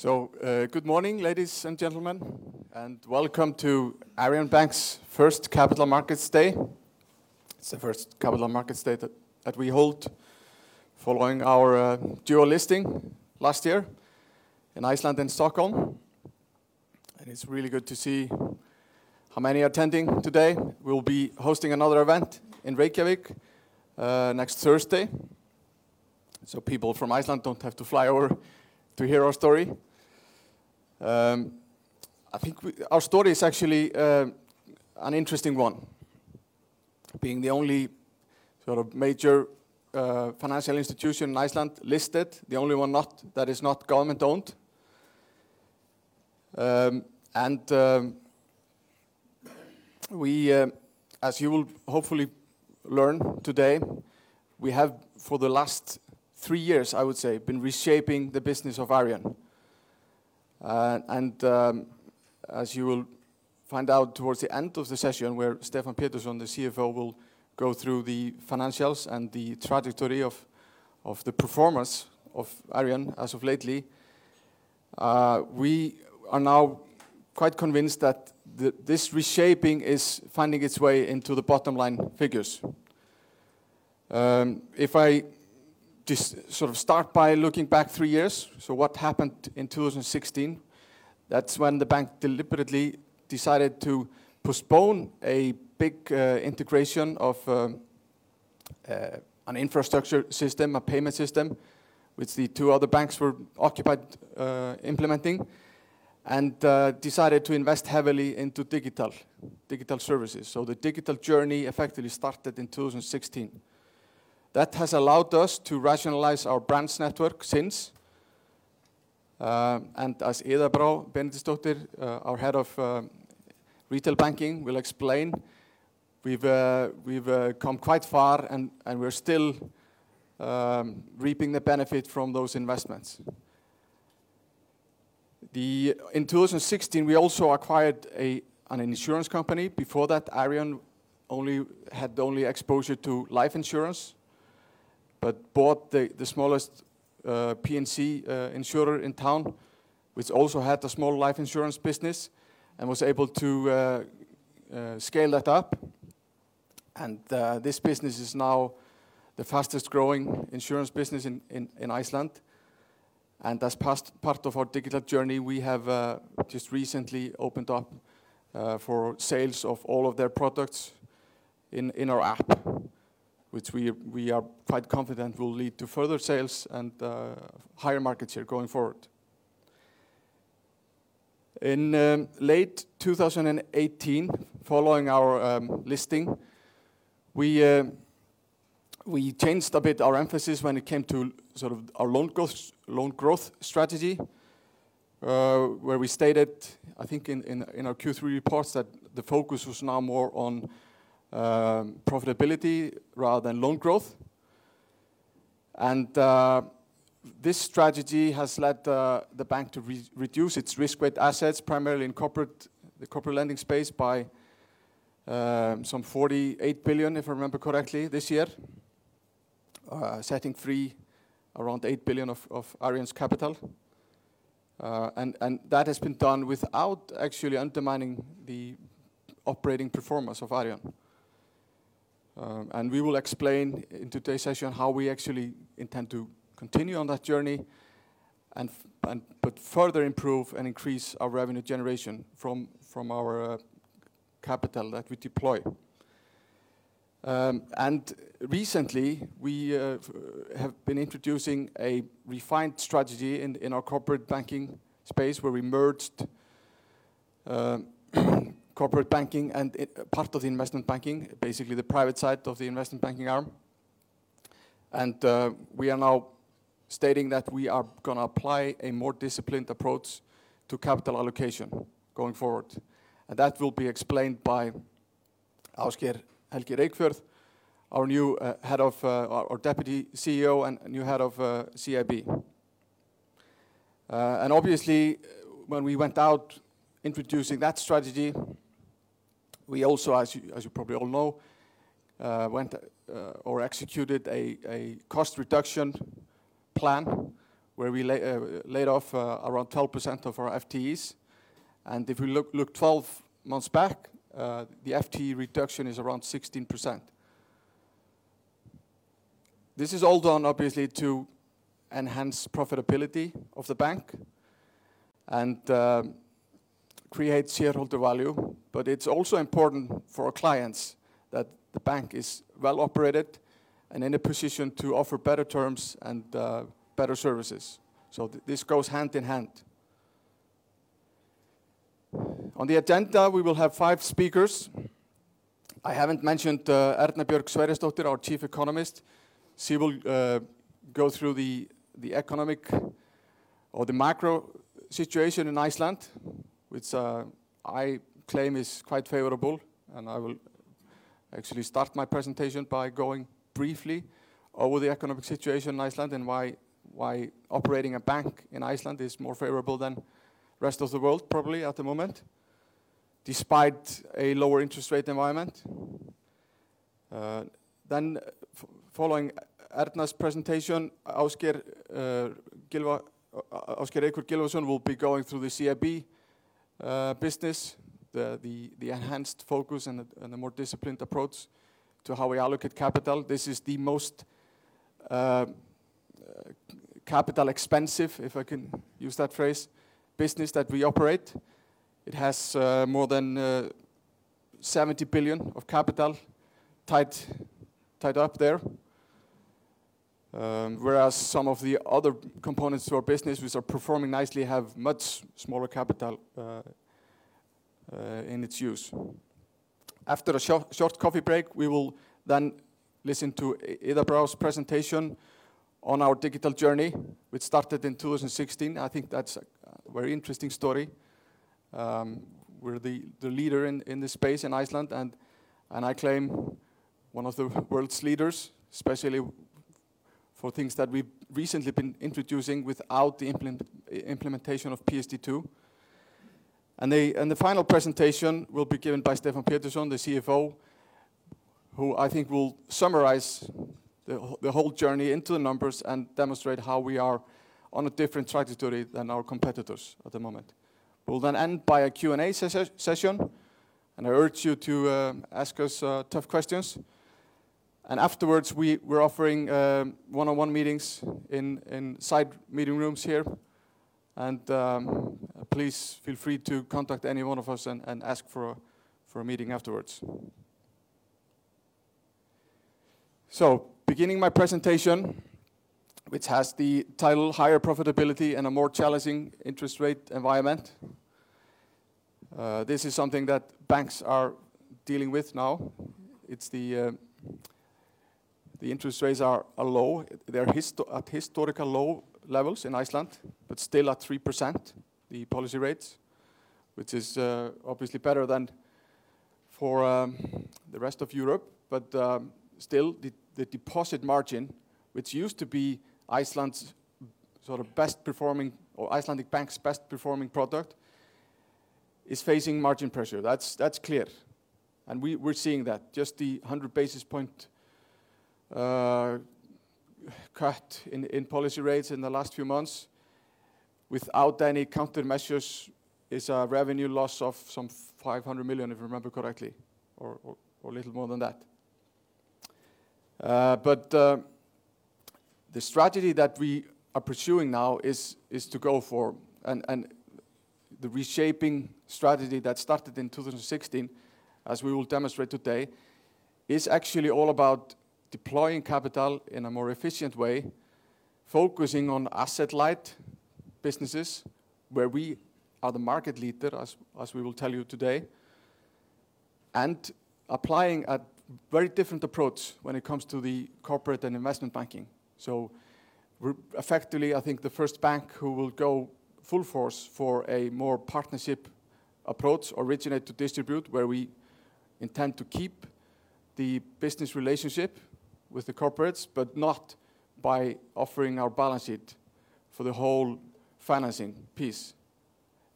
Good morning, ladies and gentlemen. Welcome to Arion Bank's First Capital Markets Day. It's the first Capital Markets Day that we hold following our dual listing last year in Iceland and Stockholm. It's really good to see how many attending today. We'll be hosting another event in Reykjavik next Thursday, so people from Iceland don't have to fly over to hear our story. I think our story is actually an interesting one, being the only major financial institution in Iceland listed, the only one that is not government-owned. As you will hopefully learn today, we have for the last three years, I would say, been reshaping the business of Arion. As you will find out towards the end of the session, where Stefán Pétursson, the CFO, will go through the financials and the trajectory of the performance of Arion as of lately. We are now quite convinced that this reshaping is finding its way into the bottom-line figures. If I just start by looking back three years, what happened in 2016, that's when the bank deliberately decided to postpone a big integration of an infrastructure system, a payment system, which the two other banks were occupied implementing, and decided to invest heavily into digital services. The digital journey effectively started in 2016. That has allowed us to rationalize our branch network since. As Ida Brá Benediktsdóttir, our Head of Retail Banking, will explain, we've come quite far, and we're still reaping the benefit from those investments. In 2016, we also acquired an insurance company. Before that, Arion had only exposure to life insurance, but bought the smallest P&C insurer in town, which also had a small life insurance business and was able to scale that up. This business is now the fastest-growing insurance business in Iceland. As part of our digital journey, we have just recently opened up for sales of all of their products in our app, which we are quite confident will lead to further sales and higher market share going forward. In late 2018, following our listing, we changed a bit our emphasis when it came to our loan growth strategy, where we stated, I think in our Q3 reports, that the focus was now more on profitability rather than loan growth. This strategy has led the bank to reduce its risk-weighted assets, primarily in the corporate lending space, by some 48 billion, if I remember correctly, this year, setting free around 8 billion of Arion's capital. That has been done without actually undermining the operating performance of Arion. We will explain in today's session how we actually intend to continue on that journey and further improve and increase our revenue generation from our capital that we deploy. Recently, we have been introducing a refined strategy in our corporate banking space, where we merged corporate banking and part of the investment banking, basically the private side of the investment banking arm. We are now stating that we are going to apply a more disciplined approach to capital allocation going forward. That will be explained by Ásgeir Helgi Reykfjörð, our Deputy CEO and new Head of CIB. Obviously, when we went out introducing that strategy, we also, as you probably all know, executed a cost reduction plan where we laid off around 12% of our FTEs. If we look 12 months back, the FTE reduction is around 16%. This is all done obviously to enhance profitability of the bank and create shareholder value, but it's also important for our clients that the bank is well operated and in a position to offer better terms and better services. This goes hand in hand. On the agenda, we will have five speakers. I haven't mentioned Erna Björg Sverrisdóttir, our Chief Economist. She will go through the economic or the macro situation in Iceland, which I claim is quite favorable. I will actually start my presentation by going briefly over the economic situation in Iceland and why operating a bank in Iceland is more favorable than rest of the world, probably at the moment, despite a lower interest rate environment. Following Erna's presentation, Ásgeir Gylfason will be going through the CIB business, the enhanced focus and the more disciplined approach to how we allocate capital. This is the most capital-intensive, if I can use that phrase, business that we operate. It has more than 70 billion of capital tied up there. Whereas some of the other components to our business, which are performing nicely, have much smaller capital in its use. After a short coffee break, we will then listen to Ida Brá's presentation on our digital journey, which started in 2016. I think that's a very interesting story. We're the leader in the space in Iceland, I claim one of the world's leaders, especially for things that we've recently been introducing without the implementation of PSD2. The final presentation will be given by Stefán Pétursson, the CFO, who I think will summarize the whole journey into the numbers and demonstrate how we are on a different trajectory than our competitors at the moment. We'll then end by a Q&A session. I urge you to ask us tough questions. Afterwards, we're offering one-on-one meetings in side meeting rooms here. Please feel free to contact any one of us and ask for a meeting afterwards. Beginning my presentation, which has the title Higher Profitability in a More Challenging Interest Rate Environment. This is something that banks are dealing with now. The interest rates are low. They're at historical low levels in Iceland, but still at 3%, the policy rates, which is obviously better than for the rest of Europe. Still, the deposit margin, which used to be Iceland's best performing, or Icelandic Bank's best performing product, is facing margin pressure. That's clear, and we're seeing that. Just the 100 basis point cut in policy rates in the last few months without any countermeasures is a revenue loss of some 500 million, if I remember correctly, or a little more than that. The strategy that we are pursuing now is to go for, and the reshaping strategy that started in 2016, as we will demonstrate today, is actually all about deploying capital in a more efficient way, focusing on asset-light businesses where we are the market leader, as we will tell you today, and applying a very different approach when it comes to the Corporate & Investment Banking. We're effectively the first bank who will go full force for a more partnership approach, originate to distribute, where we intend to keep the business relationship with the corporates, but not by offering our balance sheet for the whole financing piece.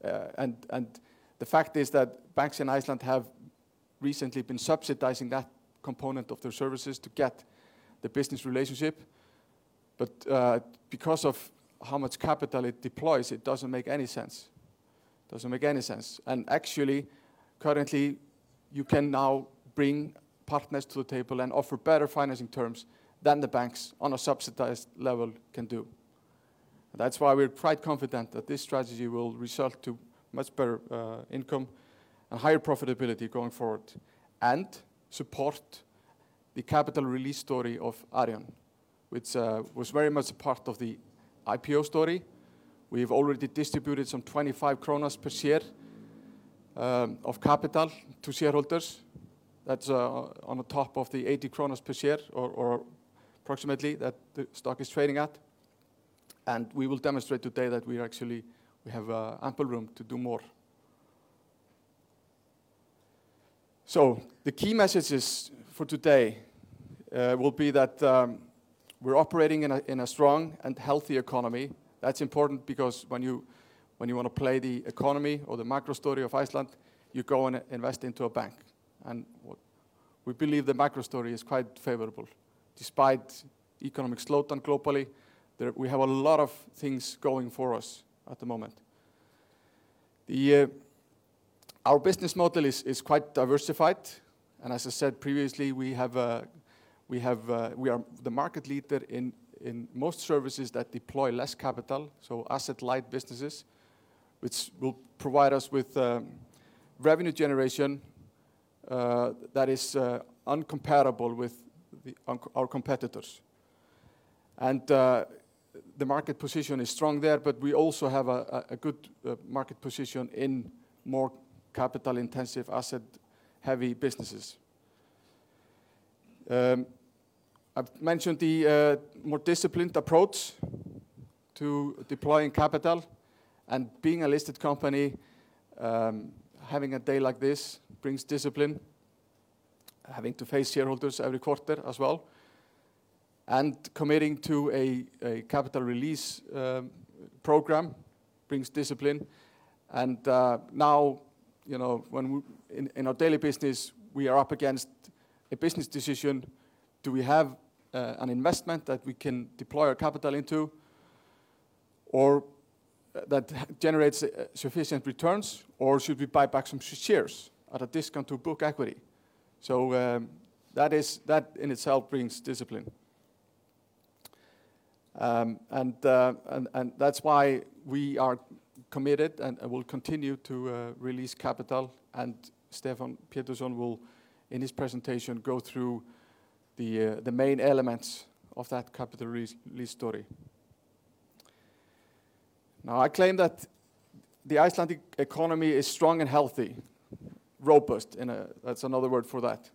The fact is that banks in Iceland have recently been subsidizing that component of their services to get the business relationship. Because of how much capital it deploys, it doesn't make any sense. It doesn't make any sense. Actually, currently, you can now bring partners to the table and offer better financing terms than the banks on a subsidized level can do. That's why we're quite confident that this strategy will result to much better income and higher profitability going forward and support the capital release story of Arion, which was very much a part of the IPO story. We've already distributed some 25 kronur per share of capital to shareholders. That's on top of the 80 per share, or approximately, that the stock is trading at. We will demonstrate today that we actually have ample room to do more. The key messages for today will be that we're operating in a strong and healthy economy. That's important because when you want to play the economy or the macro story of Iceland, you go and invest into a bank. We believe the macro story is quite favorable. Despite economic slowdown globally, we have a lot of things going for us at the moment. Our business model is quite diversified, and as I said previously, we are the market leader in most services that deploy less capital, so asset-light businesses, which will provide us with revenue generation that is incomparable with our competitors. The market position is strong there, but we also have a good market position in more capital-intensive, asset-heavy businesses. I've mentioned the more disciplined approach to deploying capital and being a listed company, having a day like this brings discipline, having to face shareholders every quarter as well. Committing to a capital release program brings discipline. Now, in our daily business, we are up against a business decision. Do we have an investment that we can deploy our capital into, or that generates sufficient returns, or should we buy back some shares at a discount to book equity? That in itself brings discipline. That's why we are committed and will continue to release capital, Stefán Pétursson will, in his presentation, go through the main elements of that capital release story. I claim that the Icelandic economy is strong and healthy. Robust, that's another word for that.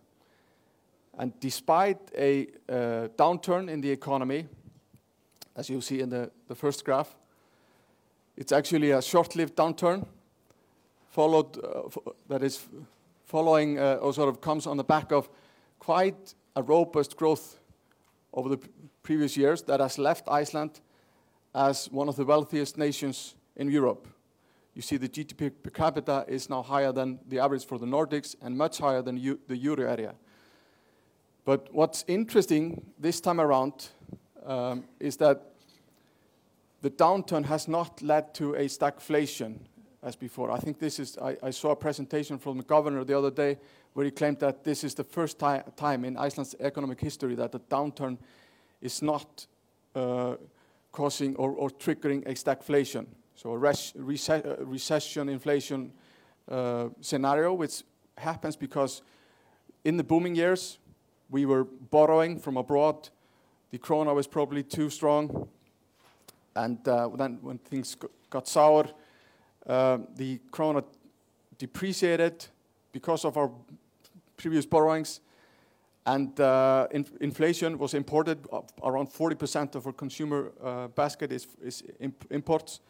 Despite a downturn in the economy, as you see in the first graph, it's actually a short-lived downturn that is following or sort of comes on the back of quite a robust growth over the previous years that has left Iceland as one of the wealthiest nations in Europe. You see the GDP per capita is now higher than the average for the Nordics and much higher than the Euro area. What's interesting this time around is that the downturn has not led to a stagflation as before. I saw a presentation from the governor the other day where he claimed that this is the first time in Iceland's economic history that a downturn is not causing or triggering a stagflation. A recession inflation scenario, which happens because in the booming years, we were borrowing from abroad. The Króna was probably too strong. When things got sour, the krona depreciated because of our previous borrowings, and inflation was imported. Around 40% of our consumer basket is imports.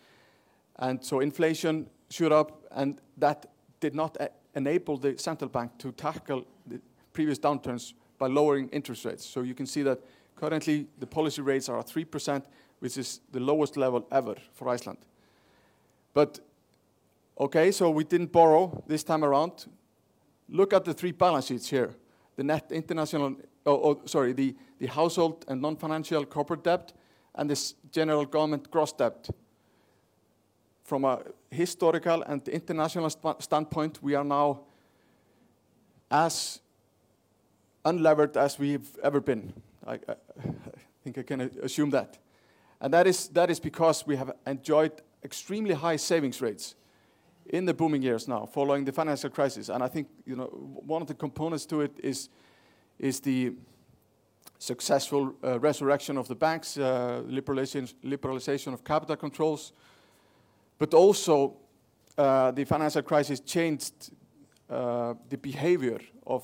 Inflation shot up, and that did not enable the Central Bank to tackle the previous downturns by lowering interest rates. You can see that currently the policy rates are at 3%, which is the lowest level ever for Iceland. We didn't borrow this time around. Look at the three balance sheets here, the household and non-financial corporate debt, and this general government gross debt. From a historical and international standpoint, we are now as unlevered as we've ever been. I think I can assume that. That is because we have enjoyed extremely high savings rates in the booming years now following the financial crisis. I think one of the components to it is the successful resurrection of the banks, liberalization of capital controls, but also, the financial crisis changed the behavior of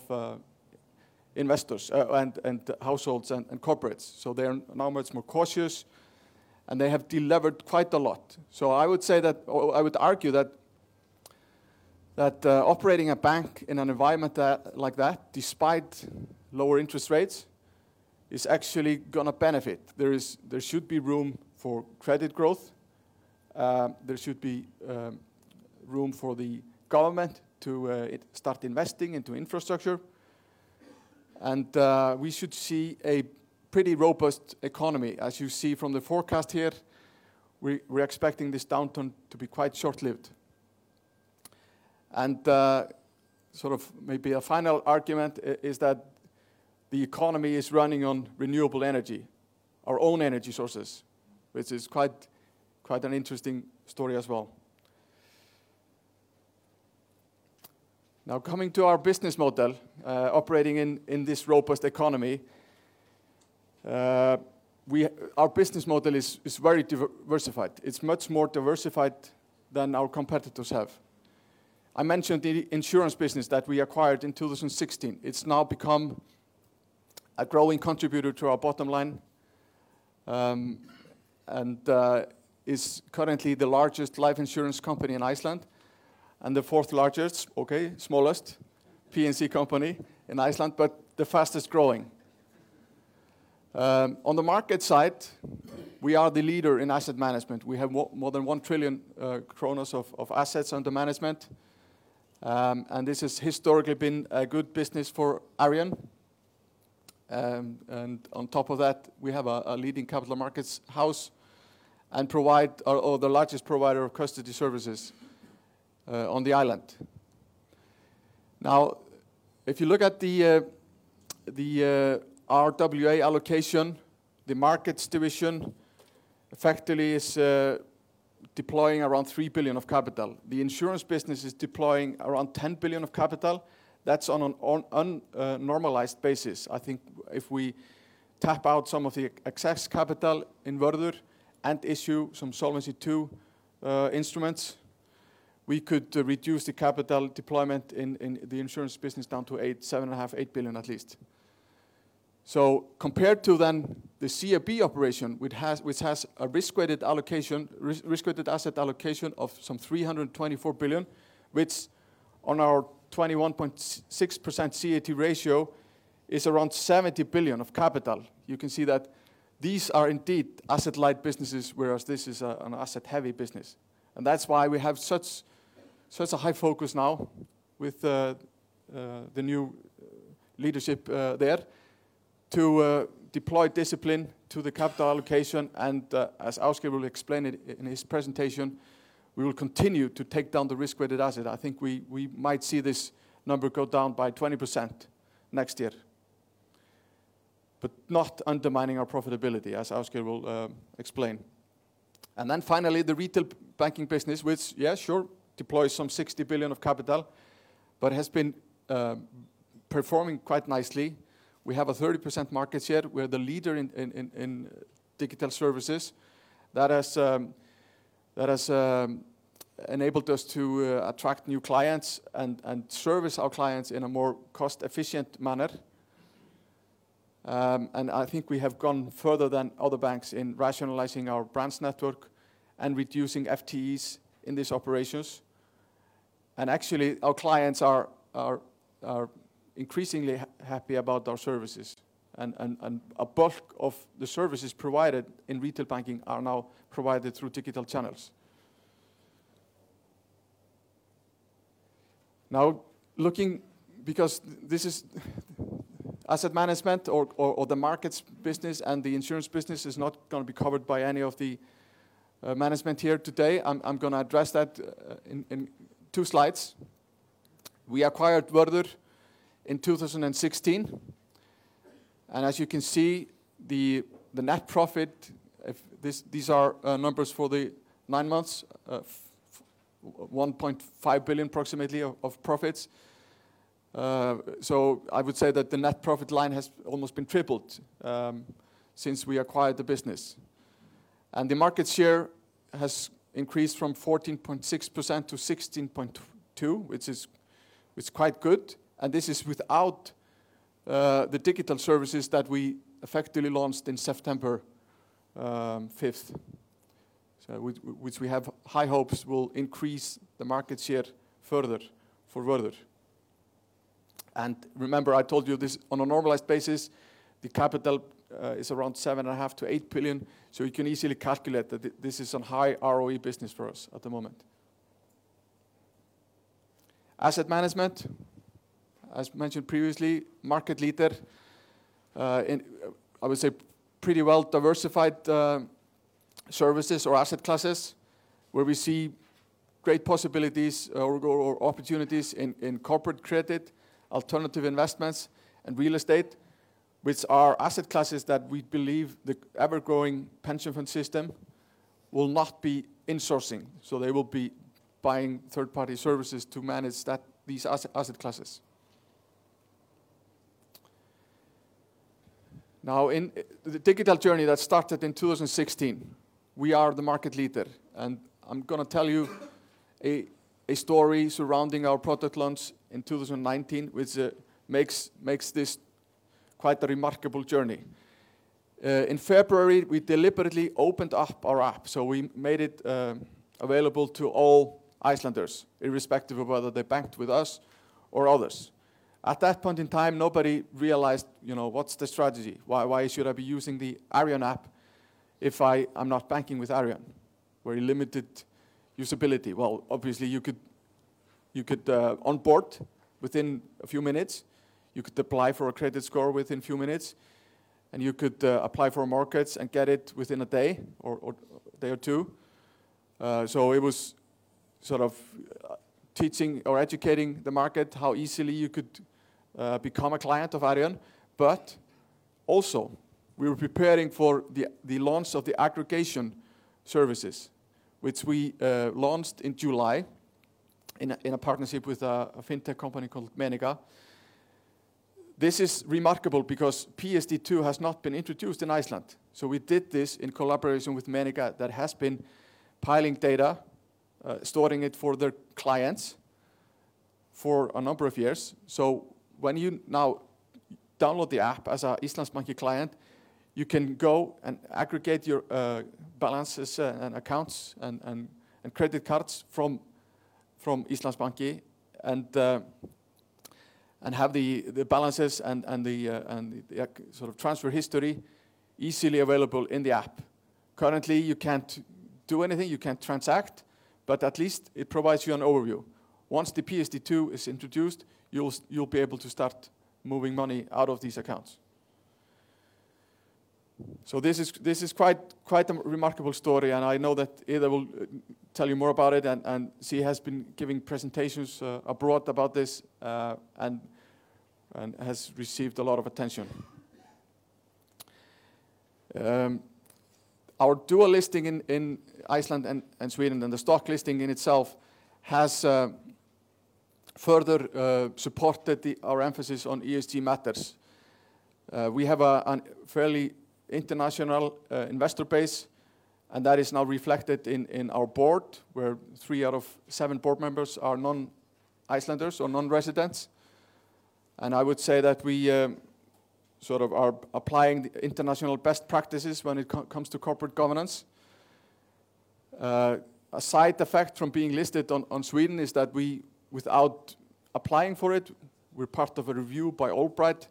investors and households and corporates. They are now much more cautious, and they have delevered quite a lot. I would argue that operating a bank in an environment like that, despite lower interest rates, is actually going to benefit. There should be room for credit growth. There should be room for the government to start investing into infrastructure. We should see a pretty robust economy. As you see from the forecast here, we're expecting this downturn to be quite short-lived. Sort of maybe a final argument is that the economy is running on renewable energy, our own energy sources, which is quite an interesting story as well. Coming to our business model, operating in this robust economy, our business model is very diversified. It's much more diversified than our competitors have. I mentioned the insurance business that we acquired in 2016. It's now become a growing contributor to our bottom line, and is currently the largest life insurance company in Iceland and the 4th-largest, okay, smallest P&C company in Iceland, but the fastest-growing. The market side, we are the leader in asset management. We have more than 1 trillion of assets under management. This has historically been a good business for Arion. On top of that, we have a leading capital markets house and are the largest provider of custody services on the island. If you look at the RWA allocation, the markets division effectively is deploying around 3 billion of capital. The insurance business is deploying around 10 billion of capital. That's on an unnormalised basis. I think if we tap out some of the excess capital in Vörður and issue some Solvency II instruments, we could reduce the capital deployment in the insurance business down to 7.5 billion, 8 billion at least. Compared to then the CIB operation, which has a risk-weighted asset allocation of some 324 billion, which on our 21.6% CET1 ratio is around 70 billion of capital. You can see that these are indeed asset light businesses, whereas this is an asset heavy business. That's why we have such a high focus now with the new leadership there to deploy discipline to the capital allocation, and as Ásgeir will explain it in his presentation, we will continue to take down the risk-weighted asset. I think we might see this number go down by 20% next year, not undermining our profitability, as Ásgeir will explain. Finally, the retail banking business, which, yeah, sure, deploys some 60 billion of capital, has been performing quite nicely. We have a 30% market share. We're the leader in digital services. That has enabled us to attract new clients and service our clients in a more cost-efficient manner. I think we have gone further than other banks in rationalizing our branch network and reducing FTEs in these operations. Actually, our clients are increasingly happy about our services. A bulk of the services provided in retail banking are now provided through digital channels. Now, Asset Management or the markets business and the insurance business is not going to be covered by any of the management here today. I'm going to address that in two slides. We acquired Vörður in 2016. As you can see, the net profit, these are numbers for the nine months, 1.5 billion approximately of profits. I would say that the net profit line has almost been tripled since we acquired the business. The market share has increased from 14.6% to 16.2%, which is quite good. This is without the digital services that we effectively launched in September 5th, which we have high hopes will increase the market share further for Vörður. Remember, I told you this on a normalized basis, the capital is around seven and a half to eight billion. You can easily calculate that this is some high ROE business for us at the moment. Asset Management, as mentioned previously, market leader, in I would say pretty well diversified services or asset classes, where we see great possibilities or opportunities in corporate credit, alternative investments, and real estate, which are asset classes that we believe the ever-growing pension fund system will not be insourcing. They will be buying third-party services to manage these asset classes. Now, in the digital journey that started in 2016, we are the market leader, and I'm going to tell you a story surrounding our product launch in 2019, which makes this quite a remarkable journey. In February, we deliberately opened up our app, so we made it available to all Icelanders, irrespective of whether they banked with us or others. At that point in time, nobody realized, what's the strategy? Why should I be using the Arion app if I am not banking with Arion? Very limited usability. Well, obviously, you could onboard within a few minutes, you could apply for a credit score within few minutes, you could apply for mortgages and get it within a day or two. Also, we were preparing for the launch of the aggregation services, which we launched in July in a partnership with a fintech company called Meniga. This is remarkable because PSD2 has not been introduced in Iceland. We did this in collaboration with Meniga that has been piling data, storing it for their clients for a number of years. When you now download the app as an Íslandsbanki client, you can go and aggregate your balances and accounts and credit cards from Íslandsbanki and have the balances and the sort of transfer history easily available in the app. Currently, you can't do anything, you can't transact, but at least it provides you an overview. Once the PSD2 is introduced, you'll be able to start moving money out of these accounts. This is quite a remarkable story, and I know that Ida will tell you more about it, and she has been giving presentations abroad about this, and has received a lot of attention. Our dual listing in Iceland and Sweden, and the stock listing in itself has further supported our emphasis on ESG matters. We have a fairly international investor base, that is now reflected in our board, where three out of seven board members are non-Icelanders or non-residents. I would say that we sort of are applying international best practices when it comes to corporate governance. A side effect from being listed on Sweden is that without applying for it, we're part of a review by AllBright,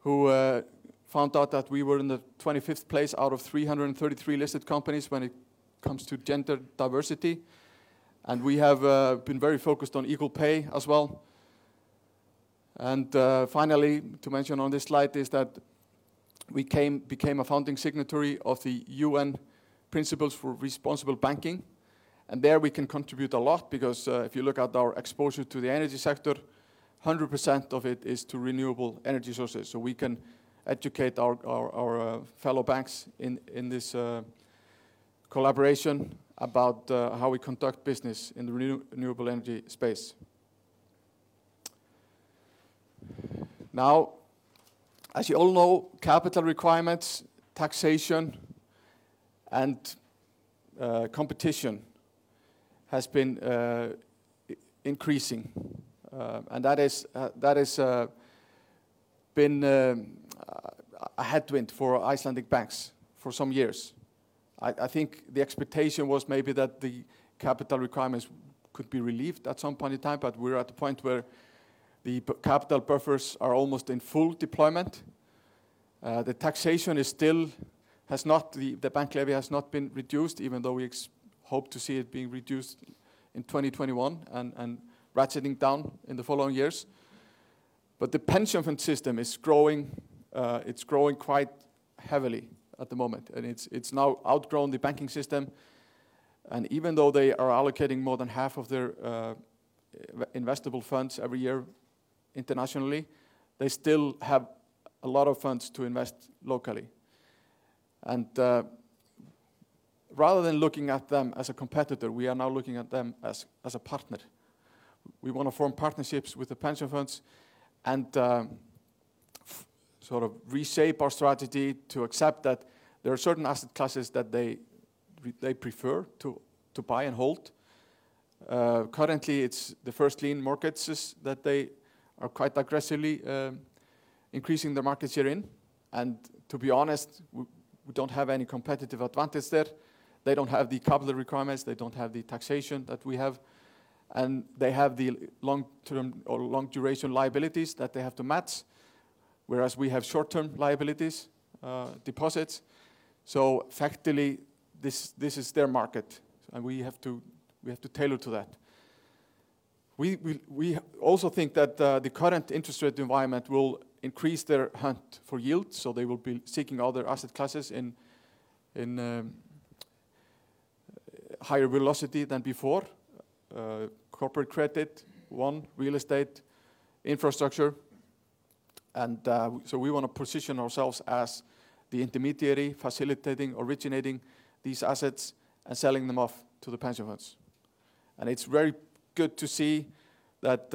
who found out that we were in the 25th place out of 333 listed companies when it comes to gender diversity. We have been very focused on equal pay as well. Finally, to mention on this slide is that we became a founding signatory of the UN Principles for Responsible Banking. There we can contribute a lot because if you look at our exposure to the energy sector, 100% of it is to renewable energy sources. We can educate our fellow banks in this collaboration about how we conduct business in the renewable energy space. As you all know, capital requirements, taxation, and competition has been increasing, that has been a headwind for Icelandic banks for some years. I think the expectation was maybe that the capital requirements could be relieved at some point in time, but we're at the point where the capital buffers are almost in full deployment. The bank levy has not been reduced even though we hope to see it being reduced in 2021 and ratcheting down in the following years. The pension fund system is growing quite heavily at the moment, and it's now outgrown the banking system. Even though they are allocating more than half of their investable funds every year internationally, they still have a lot of funds to invest locally. Rather than looking at them as a competitor, we are now looking at them as a partner. We want to form partnerships with the pension funds and sort of reshape our strategy to accept that there are certain asset classes that they prefer to buy and hold. Currently, it's the first lien markets that they are quite aggressively increasing their markets herein. To be honest, we don't have any competitive advantage there. They don't have the capital requirements. They don't have the taxation that we have, and they have the long-term or long-duration liabilities that they have to match, whereas we have short-term liabilities deposits. Factually, this is their market, and we have to tailor to that. We also think that the current interest rate environment will increase their hunt for yield, so they will be seeking other asset classes in higher velocity than before. Corporate credit, one, real estate, infrastructure. We want to position ourselves as the intermediary, facilitating, originating these assets and selling them off to the pension funds. It's very good to see that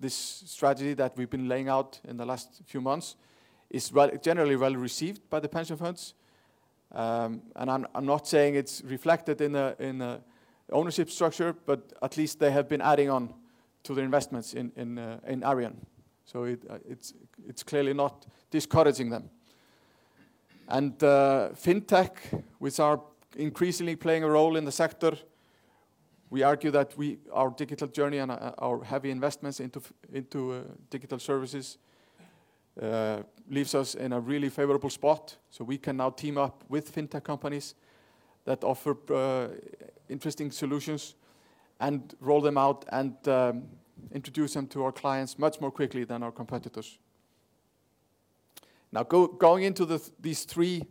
this strategy that we've been laying out in the last few months is generally well received by the pension funds. I'm not saying it's reflected in the ownership structure, but at least they have been adding on to their investments in Arion. It's clearly not discouraging them. Fintech, which are increasingly playing a role in the sector, we argue that our digital journey and our heavy investments into digital services leaves us in a really favorable spot. We can now team up with fintech companies that offer interesting solutions and roll them out and introduce them to our clients much more quickly than our competitors. Going into these three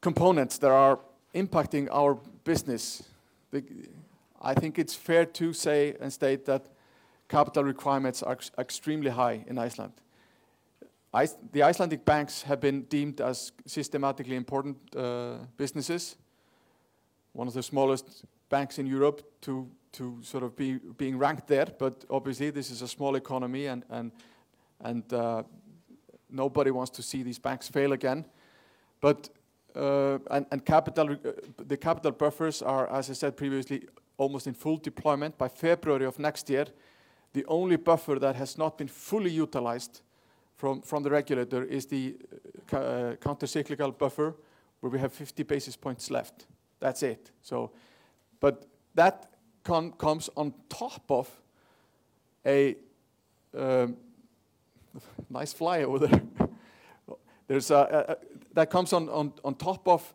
components that are impacting our business, I think it's fair to say and state that capital requirements are extremely high in Iceland. The Icelandic banks have been deemed as systematically important businesses. One of the smallest banks in Europe to sort of being ranked there, but obviously this is a small economy and nobody wants to see these banks fail again. The capital buffers are, as I said previously, almost in full deployment by February of next year. The only buffer that has not been fully utilized from the regulator is the countercyclical buffer, where we have 50 basis points left. That's it. Nice flyover there. That comes on top of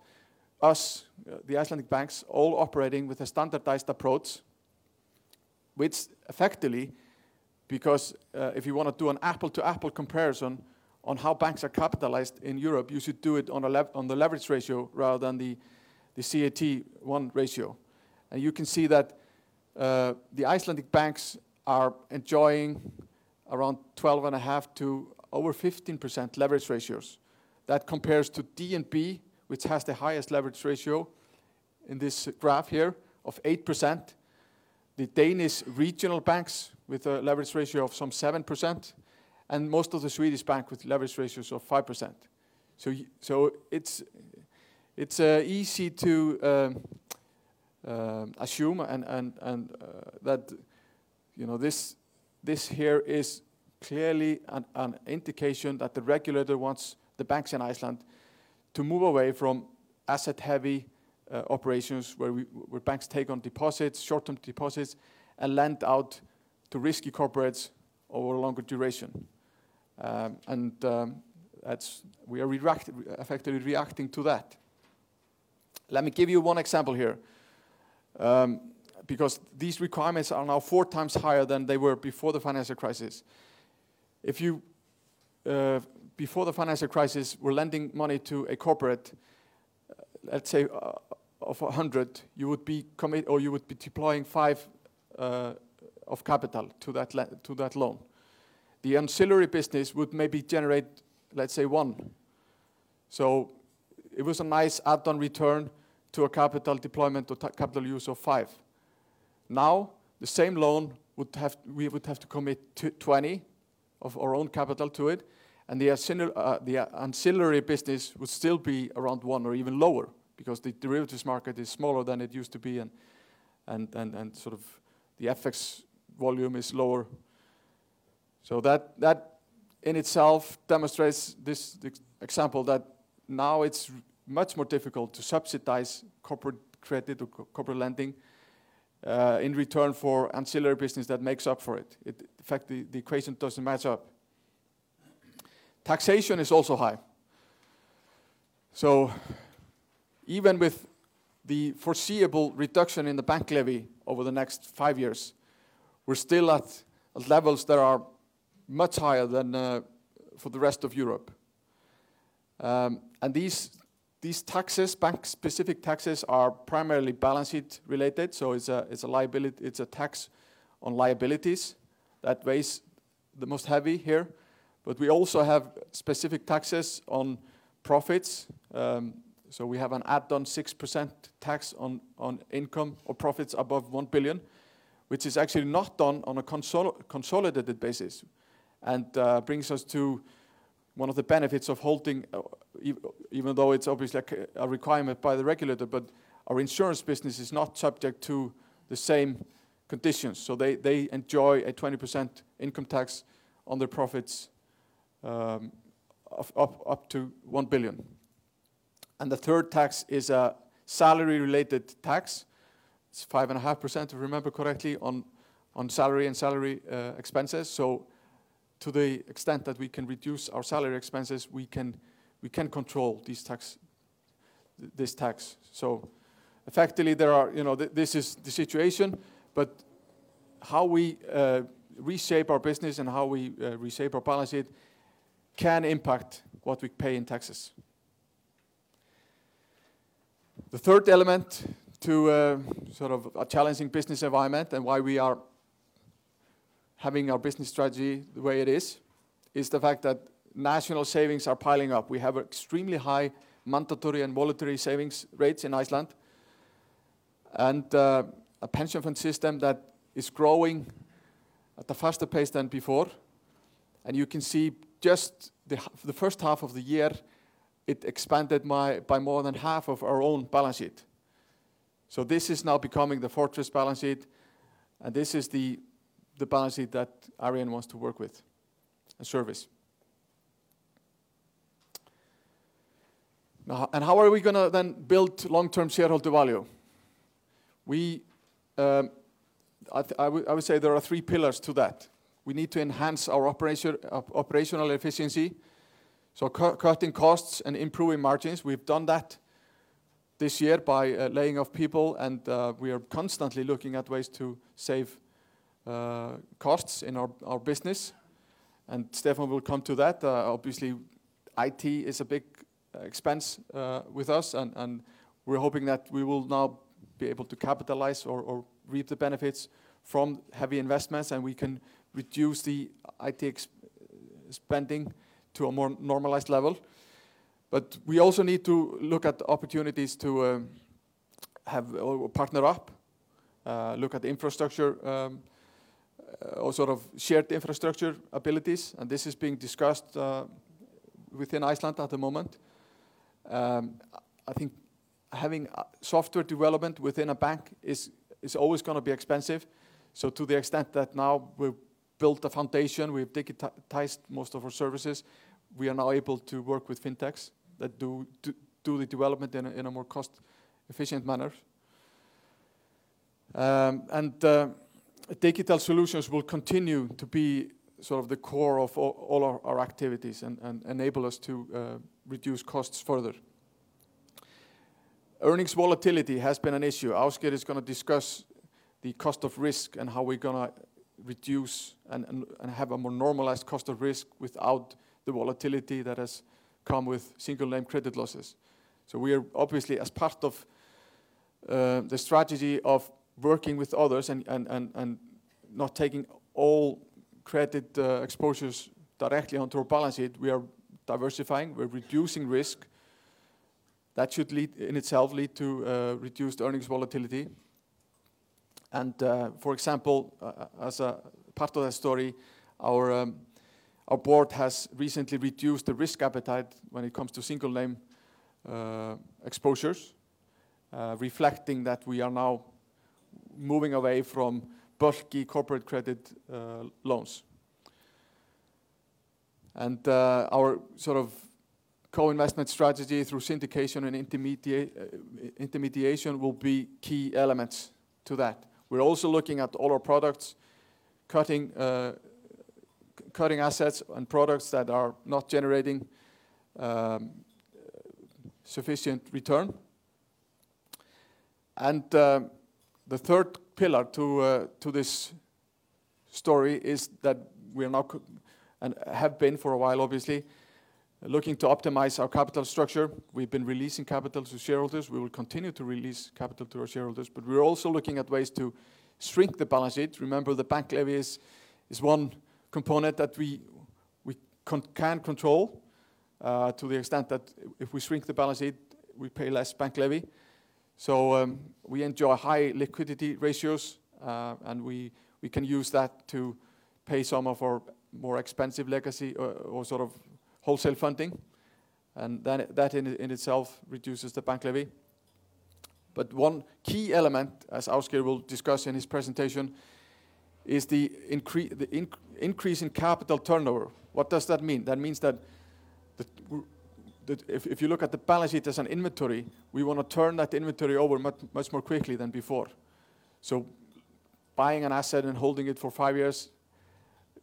us, the Icelandic banks, all operating with a standardized approach, which effectively, because if you want to do an apple-to-apple comparison on how banks are capitalized in Europe, you should do it on the leverage ratio rather than the CET1 ratio. You can see that the Icelandic banks are enjoying around 12.5 to over 15% leverage ratios. That compares to DNB, which has the highest leverage ratio in this graph here of 8%. The Danish regional banks with a leverage ratio of some 7%, and most of the Swedish bank with leverage ratios of 5%. It's easy to assume that this here is clearly an indication that the regulator wants the banks in Iceland to move away from asset-heavy operations where banks take on deposits, short-term deposits, and lend out to risky corporates over a longer duration. We are effectively reacting to that. Let me give you one example here, because these requirements are now 4x higher than they were before the financial crisis. If before the financial crisis, we're lending money to a corporate, let's say, of 100, you would be deploying ISK five of capital to that loan. The ancillary business would maybe generate, let's say, ISK one. It was a nice add-on return to a capital deployment to capital use of ISK five. Now, the same loan we would have to commit 20 of our own capital to it, and the ancillary business would still be around ISK one or even lower because the derivatives market is smaller than it used to be and the FX volume is lower. That in itself demonstrates this example that now it's much more difficult to subsidize corporate credit or corporate lending, in return for ancillary business that makes up for it. In fact, the equation doesn't match up. Taxation is also high. Even with the foreseeable reduction in the bank levy over the next five years, we're still at levels that are much higher than for the rest of Europe. These taxes, bank-specific taxes, are primarily balance sheet related. It's a tax on liabilities that weighs the most heavy here. We also have specific taxes on profits. We have an add-on 6% tax on income or profits above 1 billion ISK, which is actually not done on a consolidated basis and brings us to one of the benefits of holding, even though it's obviously a requirement by the regulator, but our insurance business is not subject to the same conditions. They enjoy a 20% income tax on their profits of up to 1 billion ISK. The third tax is a salary-related tax. It's 5.5%, if I remember correctly, on salary and salary expenses. To the extent that we can reduce our salary expenses, we can control this tax. Effectively, this is the situation, but how we reshape our business and how we reshape our balance sheet can impact what we pay in taxes. The third element to a challenging business environment and why we are having our business strategy the way it is the fact that national savings are piling up. We have extremely high mandatory and voluntary savings rates in Iceland and a pension fund system that is growing at a faster pace than before. You can see just the first half of the year, it expanded by more than half of our own balance sheet. This is now becoming the fortress balance sheet, and this is the balance sheet that Arion wants to work with and service. Now, how are we going to then build long-term shareholder value? I would say there are three pillars to that. We need to enhance our operational efficiency, cutting costs and improving margins. We've done that this year by laying off people, and we are constantly looking at ways to save costs in our business, and Stefán will come to that. Obviously, IT is a big expense with us, and we're hoping that we will now be able to capitalize or reap the benefits from heavy investments, and we can reduce the IT spending to a more normalized level. We also need to look at opportunities to partner up, look at infrastructure, or shared infrastructure abilities, and this is being discussed within Iceland at the moment. I think having software development within a bank is always going to be expensive. To the extent that now we've built a foundation, we've digitized most of our services, we are now able to work with fintechs that do the development in a more cost-efficient manner. Digital solutions will continue to be the core of all our activities and enable us to reduce costs further. Earnings volatility has been an issue. Ásgeir is going to discuss the cost of risk and how we're going to reduce and have a more normalized cost of risk without the volatility that has come with single name credit losses. We are obviously, as part of the strategy of working with others and not taking all credit exposures directly onto our balance sheet, we are diversifying, we're reducing risk. That should in itself lead to reduced earnings volatility. For example, as a part of that story, our board has recently reduced the risk appetite when it comes to single name exposures, reflecting that we are now moving away from bulky corporate credit loans. Our co-investment strategy through syndication and intermediation will be key elements to that. We're also looking at all our products, cutting assets and products that are not generating sufficient return. The third pillar to this story is that we are now, and have been for a while obviously, looking to optimize our capital structure. We've been releasing capital to shareholders. We will continue to release capital to our shareholders, we're also looking at ways to shrink the balance sheet. Remember, the bank levy is one component that we can control, to the extent that if we shrink the balance sheet, we pay less bank levy. We enjoy high liquidity ratios, and we can use that to pay some of our more expensive legacy or wholesale funding. That in itself reduces the bank levy. One key element, as Ásgeir will discuss in his presentation, is the increase in capital turnover. What does that mean? That means that if you look at the balance sheet as an inventory, we want to turn that inventory over much more quickly than before. Buying an asset and holding it for five years,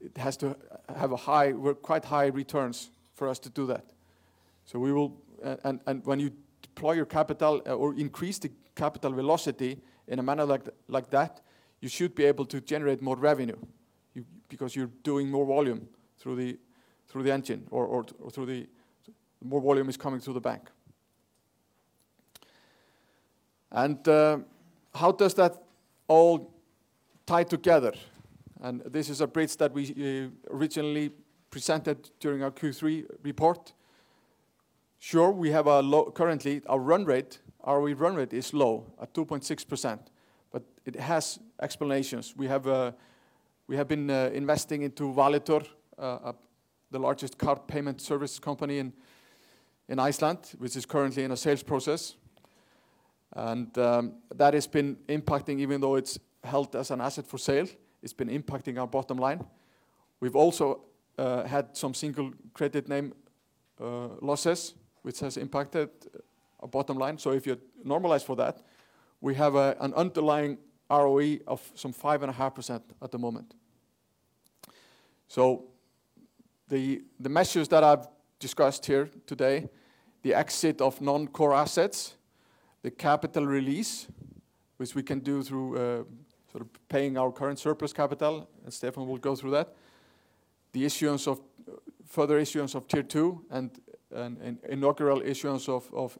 it has to have quite high returns for us to do that. When you deploy your capital or increase the capital velocity in a manner like that, you should be able to generate more revenue because you're doing more volume through the engine, or more volume is coming through the bank. How does that all tie together? This is a bridge that we originally presented during our Q3 report. Sure, currently our ROE run rate is low at 2.6%, but it has explanations. We have been investing into Valitor, the largest card payment service company in Iceland, which is currently in a sales process. That has been impacting, even though it's held as an asset for sale, it's been impacting our bottom line. We've also had some single credit name losses, which has impacted our bottom line. If you normalize for that, we have an underlying ROE of some 5.5% at the moment. The measures that I've discussed here today, the exit of non-core assets, the capital release, which we can do through paying our current surplus capital, and Stefán will go through that. The further issuance of Tier 2 and inaugural issuance of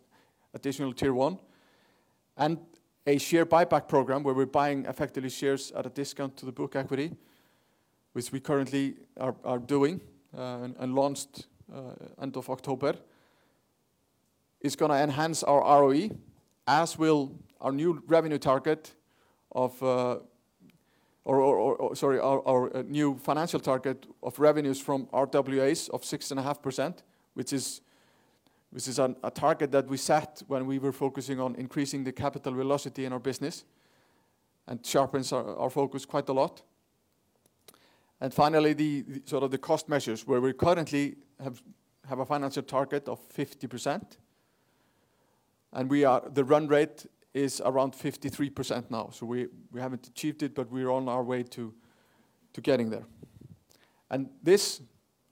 additional Tier 1, and a share buyback program where we're buying effectively shares at a discount to the book equity, which we currently are doing and launched end of October, is going to enhance our ROE. As will our new financial target of revenues from RWA of 6.5%, which is a target that we set when we were focusing on increasing the capital velocity in our business and sharpens our focus quite a lot. Finally, the cost measures where we currently have a financial target of 50%. The run rate is around 53% now, so we haven't achieved it, but we are on our way to getting there. This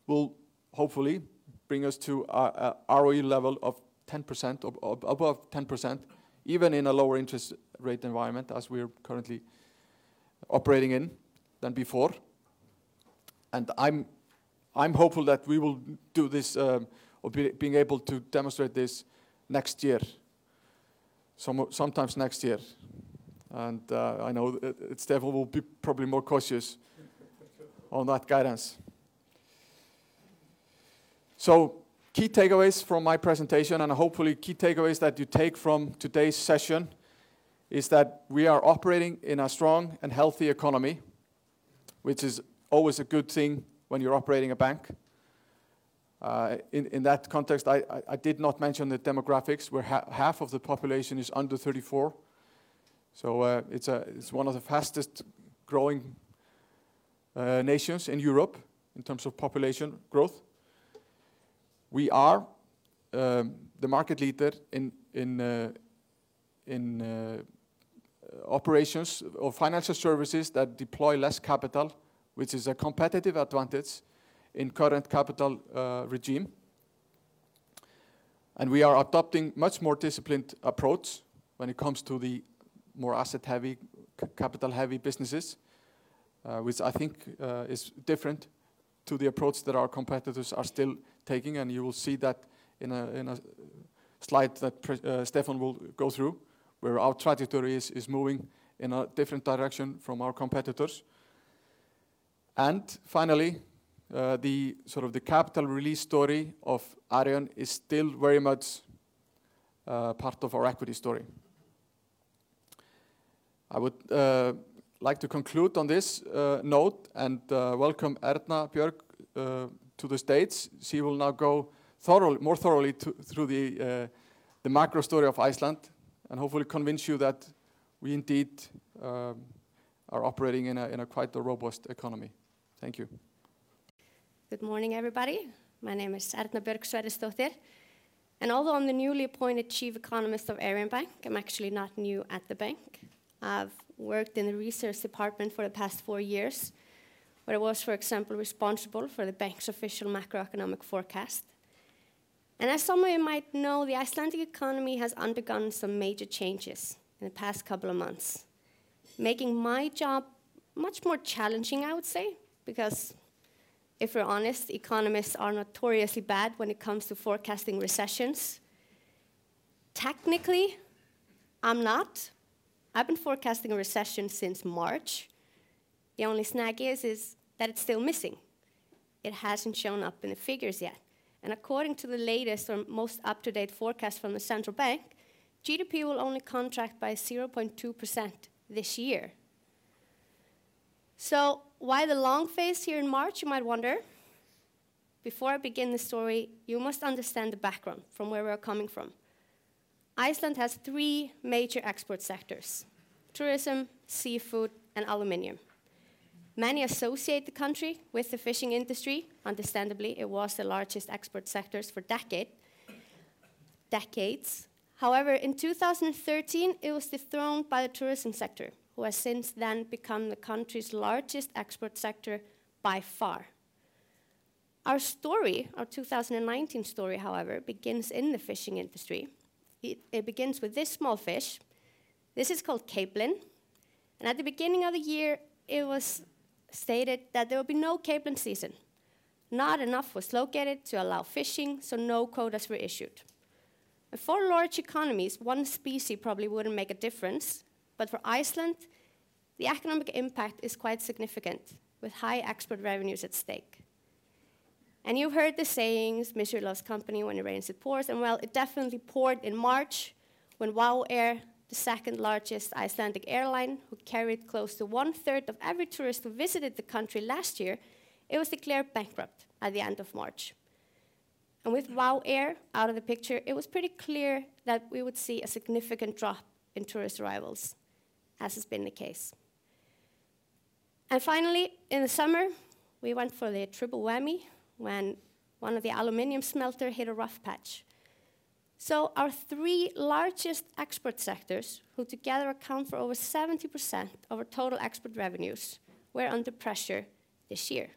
will hopefully bring us to a ROE level of above 10%, even in a lower interest rate environment as we are currently operating in than before. I'm hopeful that we will do this, or being able to demonstrate this next year, sometime next year. I know Stefán will be probably more cautious on that guidance. Key takeaways from my presentation, and hopefully key takeaways that you take from today's session is that we are operating in a strong and healthy economy, which is always a good thing when you're operating a bank. In that context, I did not mention the demographics where half of the population is under 34. It's one of the fastest growing nations in Europe in terms of population growth. We are the market leader in operations or financial services that deploy less capital, which is a competitive advantage in current capital regime. We are adopting much more disciplined approach when it comes to the more asset heavy, capital heavy businesses, which I think is different to the approach that our competitors are still taking. You will see that in a slide that Stefán will go through, where our trajectory is moving in a different direction from our competitors. Finally, the capital release story of Arion is still very much part of our equity story. I would like to conclude on this note and welcome Erna Björg to the stage. She will now go more thoroughly through the macro story of Iceland and hopefully convince you that we indeed are operating in a quite robust economy. Thank you. Good morning, everybody. My name is Erna Björg Sverrisdóttir. Although I'm the newly appointed chief economist of Arion Bank, I'm actually not new at the bank. I've worked in the research department for the past four years, where I was, for example, responsible for the bank's official macroeconomic forecast. As some of you might know, the Icelandic economy has undergone some major changes in the past couple of months, making my job much more challenging, I would say, because if we're honest, economists are notoriously bad when it comes to forecasting recessions. Technically, I'm not. I've been forecasting a recession since March. The only snag is that it's still missing. It hasn't shown up in the figures yet. According to the latest or most up-to-date forecast from the Central Bank, GDP will only contract by 0.2% this year. Why the long face here in March, you might wonder? Before I begin the story, you must understand the background from where we are coming from. Iceland has three major export sectors, tourism, seafood, and aluminum. Many associate the country with the fishing industry. Understandably, it was the largest export sector for decades. In 2013, it was dethroned by the tourism sector, who has since then become the country's largest export sector by far. Our 2019 story, however, begins in the fishing industry. It begins with this small fish. This is called capelin, and at the beginning of the year, it was stated that there would be no capelin season. Not enough was located to allow fishing, so no quotas were issued. For large economies, one species probably wouldn't make a difference, but for Iceland, the economic impact is quite significant, with high export revenues at stake. You've heard the saying, "Misery loves company when it rains, it pours." Well, it definitely poured in March when WOW air, the second-largest Icelandic airline, who carried close to 1/3 of every tourist who visited the country last year, it was declared bankrupt at the end of March. With WOW air out of the picture, it was pretty clear that we would see a significant drop in tourist arrivals, as has been the case. Finally, in the summer, we went for the triple whammy when one of the aluminum smelters hit a rough patch. Our three largest export sectors, who together account for over 70% of our total export revenues, were under pressure this year.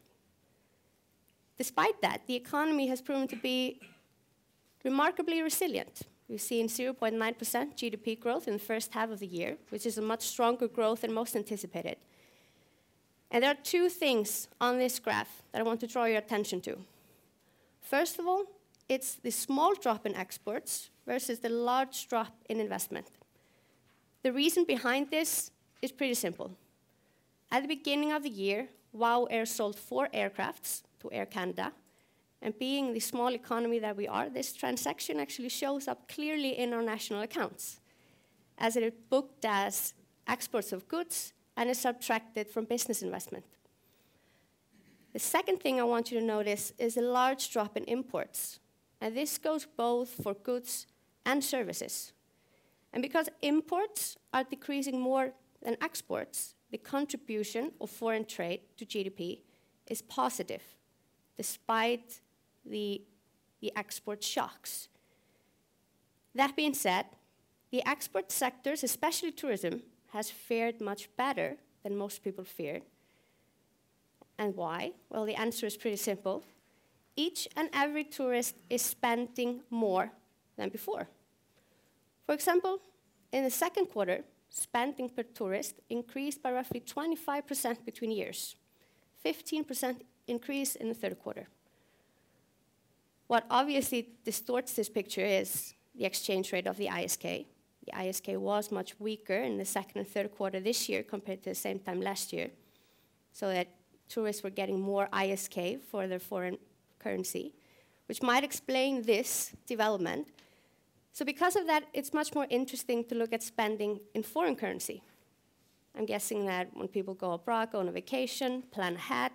Despite that, the economy has proven to be remarkably resilient. We've seen 0.9% GDP growth in the first half of the year, which is a much stronger growth than most anticipated. There are two things on this graph that I want to draw your attention to. First of all, it's the small drop in exports versus the large drop in investment. The reason behind this is pretty simple. At the beginning of the year, WOW air sold four aircrafts to Air Canada. Being the small economy that we are, this transaction actually shows up clearly in our national accounts as it is booked as exports of goods and is subtracted from business investment. The second thing I want you to notice is a large drop in imports, and this goes both for goods and services. Because imports are decreasing more than exports, the contribution of foreign trade to GDP is positive despite the export shocks. That being said, the export sectors, especially tourism, has fared much better than most people feared. Why? Well, the answer is pretty simple. Each and every tourist is spending more than before. For example, in the second quarter, spending per tourist increased by roughly 25% between years, 15% increase in the third quarter. What obviously distorts this picture is the exchange rate of the ISK. The ISK was much weaker in the second and third quarter this year compared to the same time last year, so that tourists were getting more ISK for their foreign currency, which might explain this development. Because of that, it's much more interesting to look at spending in foreign currency. I'm guessing that when people go abroad, go on a vacation, plan ahead,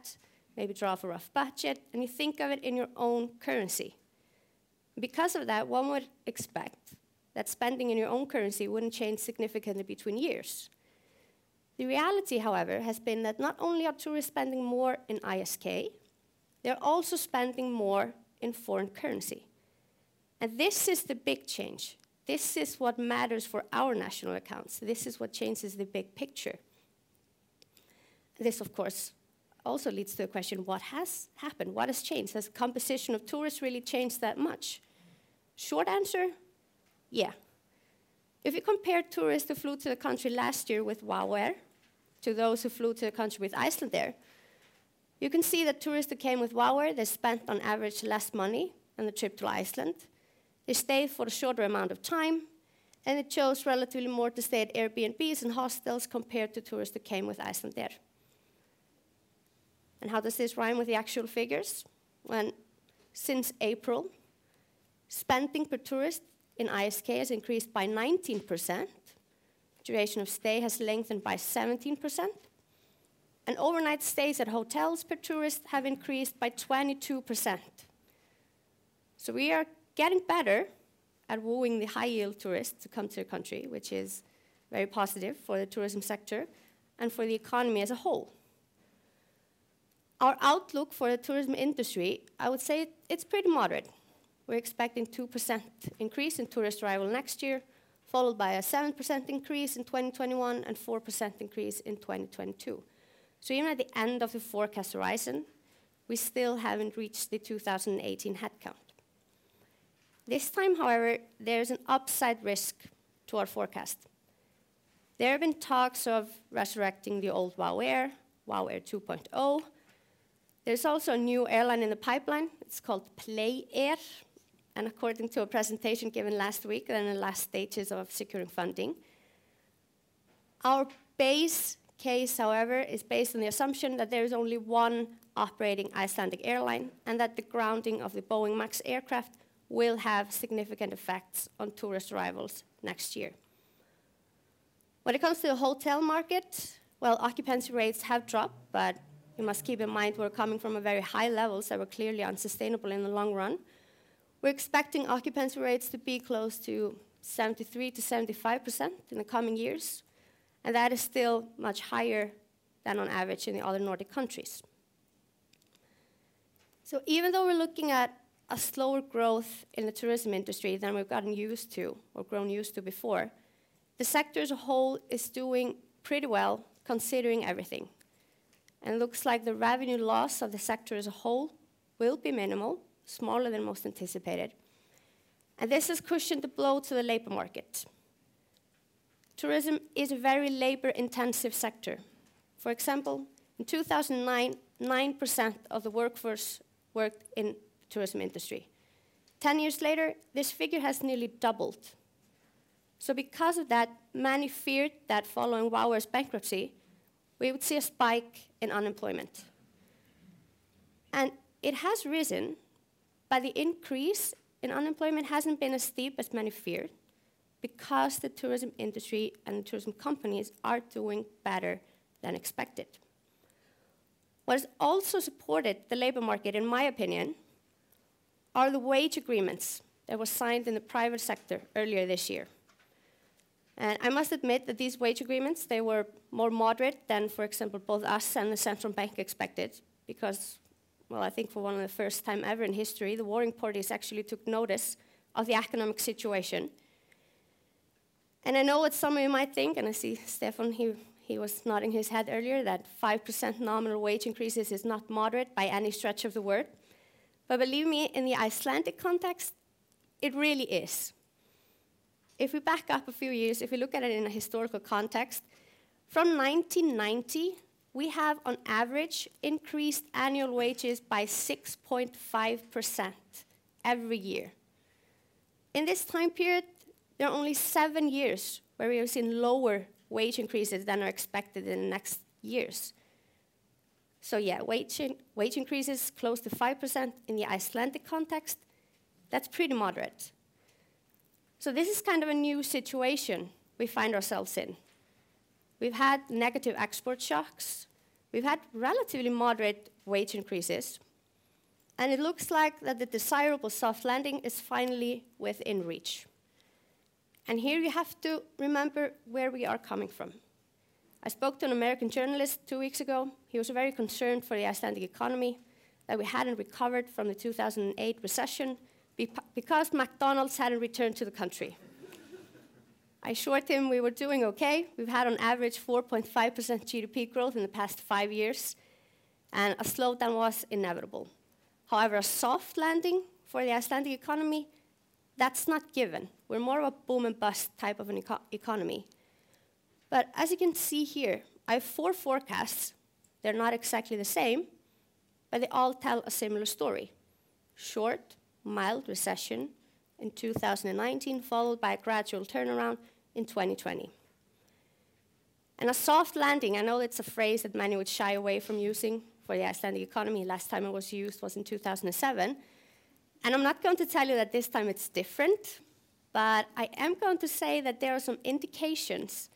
maybe draw up a rough budget, and you think of it in your own currency. Because of that, one would expect that spending in your own currency wouldn't change significantly between years. The reality, however, has been that not only are tourists spending more in ISK, they're also spending more in foreign currency. This is the big change. This is what matters for our national accounts. This is what changes the big picture. This, of course, also leads to the question, what has happened? What has changed? Has composition of tourists really changed that much? Short answer, yeah. If you compare tourists that flew to the country last year with WOW air to those who flew to the country with Icelandair, you can see that tourists that came with WOW air, they spent on average less money on the trip to Iceland. They stayed for a shorter amount of time. It chose relatively more to stay at Airbnbs and hostels compared to tourists that came with Icelandair. How does this rhyme with the actual figures? Since April, spending per tourist in ISK has increased by 19%, duration of stay has lengthened by 17%. Overnight stays at hotels per tourist have increased by 22%. We are getting better at wooing the high-yield tourists to come to the country, which is very positive for the tourism sector and for the economy as a whole. Our outlook for the tourism industry, I would say it's pretty moderate. We're expecting 2% increase in tourist arrival next year, followed by a 7% increase in 2021 and 4% increase in 2022. Even at the end of the forecast horizon, we still haven't reached the 2018 headcount. This time, however, there is an upside risk to our forecast. There have been talks of resurrecting the old WOW air, WOW air 2.0. There's also a new airline in the pipeline. It's called PLAY, and according to a presentation given last week, they're in the last stages of securing funding. Our base case, however, is based on the assumption that there is only one operating Icelandic airline and that the grounding of the Boeing MAX aircraft will have significant effects on tourist arrivals next year. When it comes to the hotel market, well, occupancy rates have dropped, but you must keep in mind we're coming from very high levels that were clearly unsustainable in the long run. We're expecting occupancy rates to be close to 73%-75% in the coming years, and that is still much higher than on average in the other Nordic countries. Even though we're looking at a slower growth in the tourism industry than we've gotten used to or grown used to before, the sector as a whole is doing pretty well considering everything. Looks like the revenue loss of the sector as a whole will be minimal, smaller than most anticipated. This has cushioned the blow to the labor market. Tourism is a very labor-intensive sector. For example, in 2009, 9% of the workforce worked in tourism industry. 10 years later, this figure has nearly doubled. Because of that, many feared that following WOW air's bankruptcy, we would see a spike in unemployment. It has risen, but the increase in unemployment hasn't been as steep as many feared because the tourism industry and tourism companies are doing better than expected. What has also supported the labor market, in my opinion, are the wage agreements that were signed in the private sector earlier this year. I must admit that these wage agreements, they were more moderate than, for example, both us and the Central Bank expected because, well, I think for one of the first time ever in history, the warring parties actually took notice of the economic situation. I know what some of you might think, and I see Stefán, he was nodding his head earlier, that 5% nominal wage increases is not moderate by any stretch of the word. Believe me, in the Icelandic context, it really is. If we back up a few years, if we look at it in a historical context, from 1990, we have on average increased annual wages by 6.5% every year. In this time period, there are only seven years where we have seen lower wage increases than are expected in the next years. Wage increases close to 5% in the Icelandic context, that's pretty moderate. This is kind of a new situation we find ourselves in. We've had negative export shocks, we've had relatively moderate wage increases, it looks like that the desirable soft landing is finally within reach. Here you have to remember where we are coming from. I spoke to an American journalist two weeks ago. He was very concerned for the Icelandic economy, that we hadn't recovered from the 2008 recession because McDonald's hadn't returned to the country. I assured him we were doing okay. We've had on average 4.5% GDP growth in the past five years, a slowdown was inevitable. A soft landing for the Icelandic economy, that's not given. We're more of a boom and bust type of an economy. As you can see here, I have four forecasts. They're not exactly the same, but they all tell a similar story. Short, mild recession in 2019, followed by a gradual turnaround in 2020. A soft landing, I know that's a phrase that many would shy away from using for the Icelandic economy. Last time it was used was in 2007. I'm not going to tell you that this time it's different, but I am going to say that there are some indications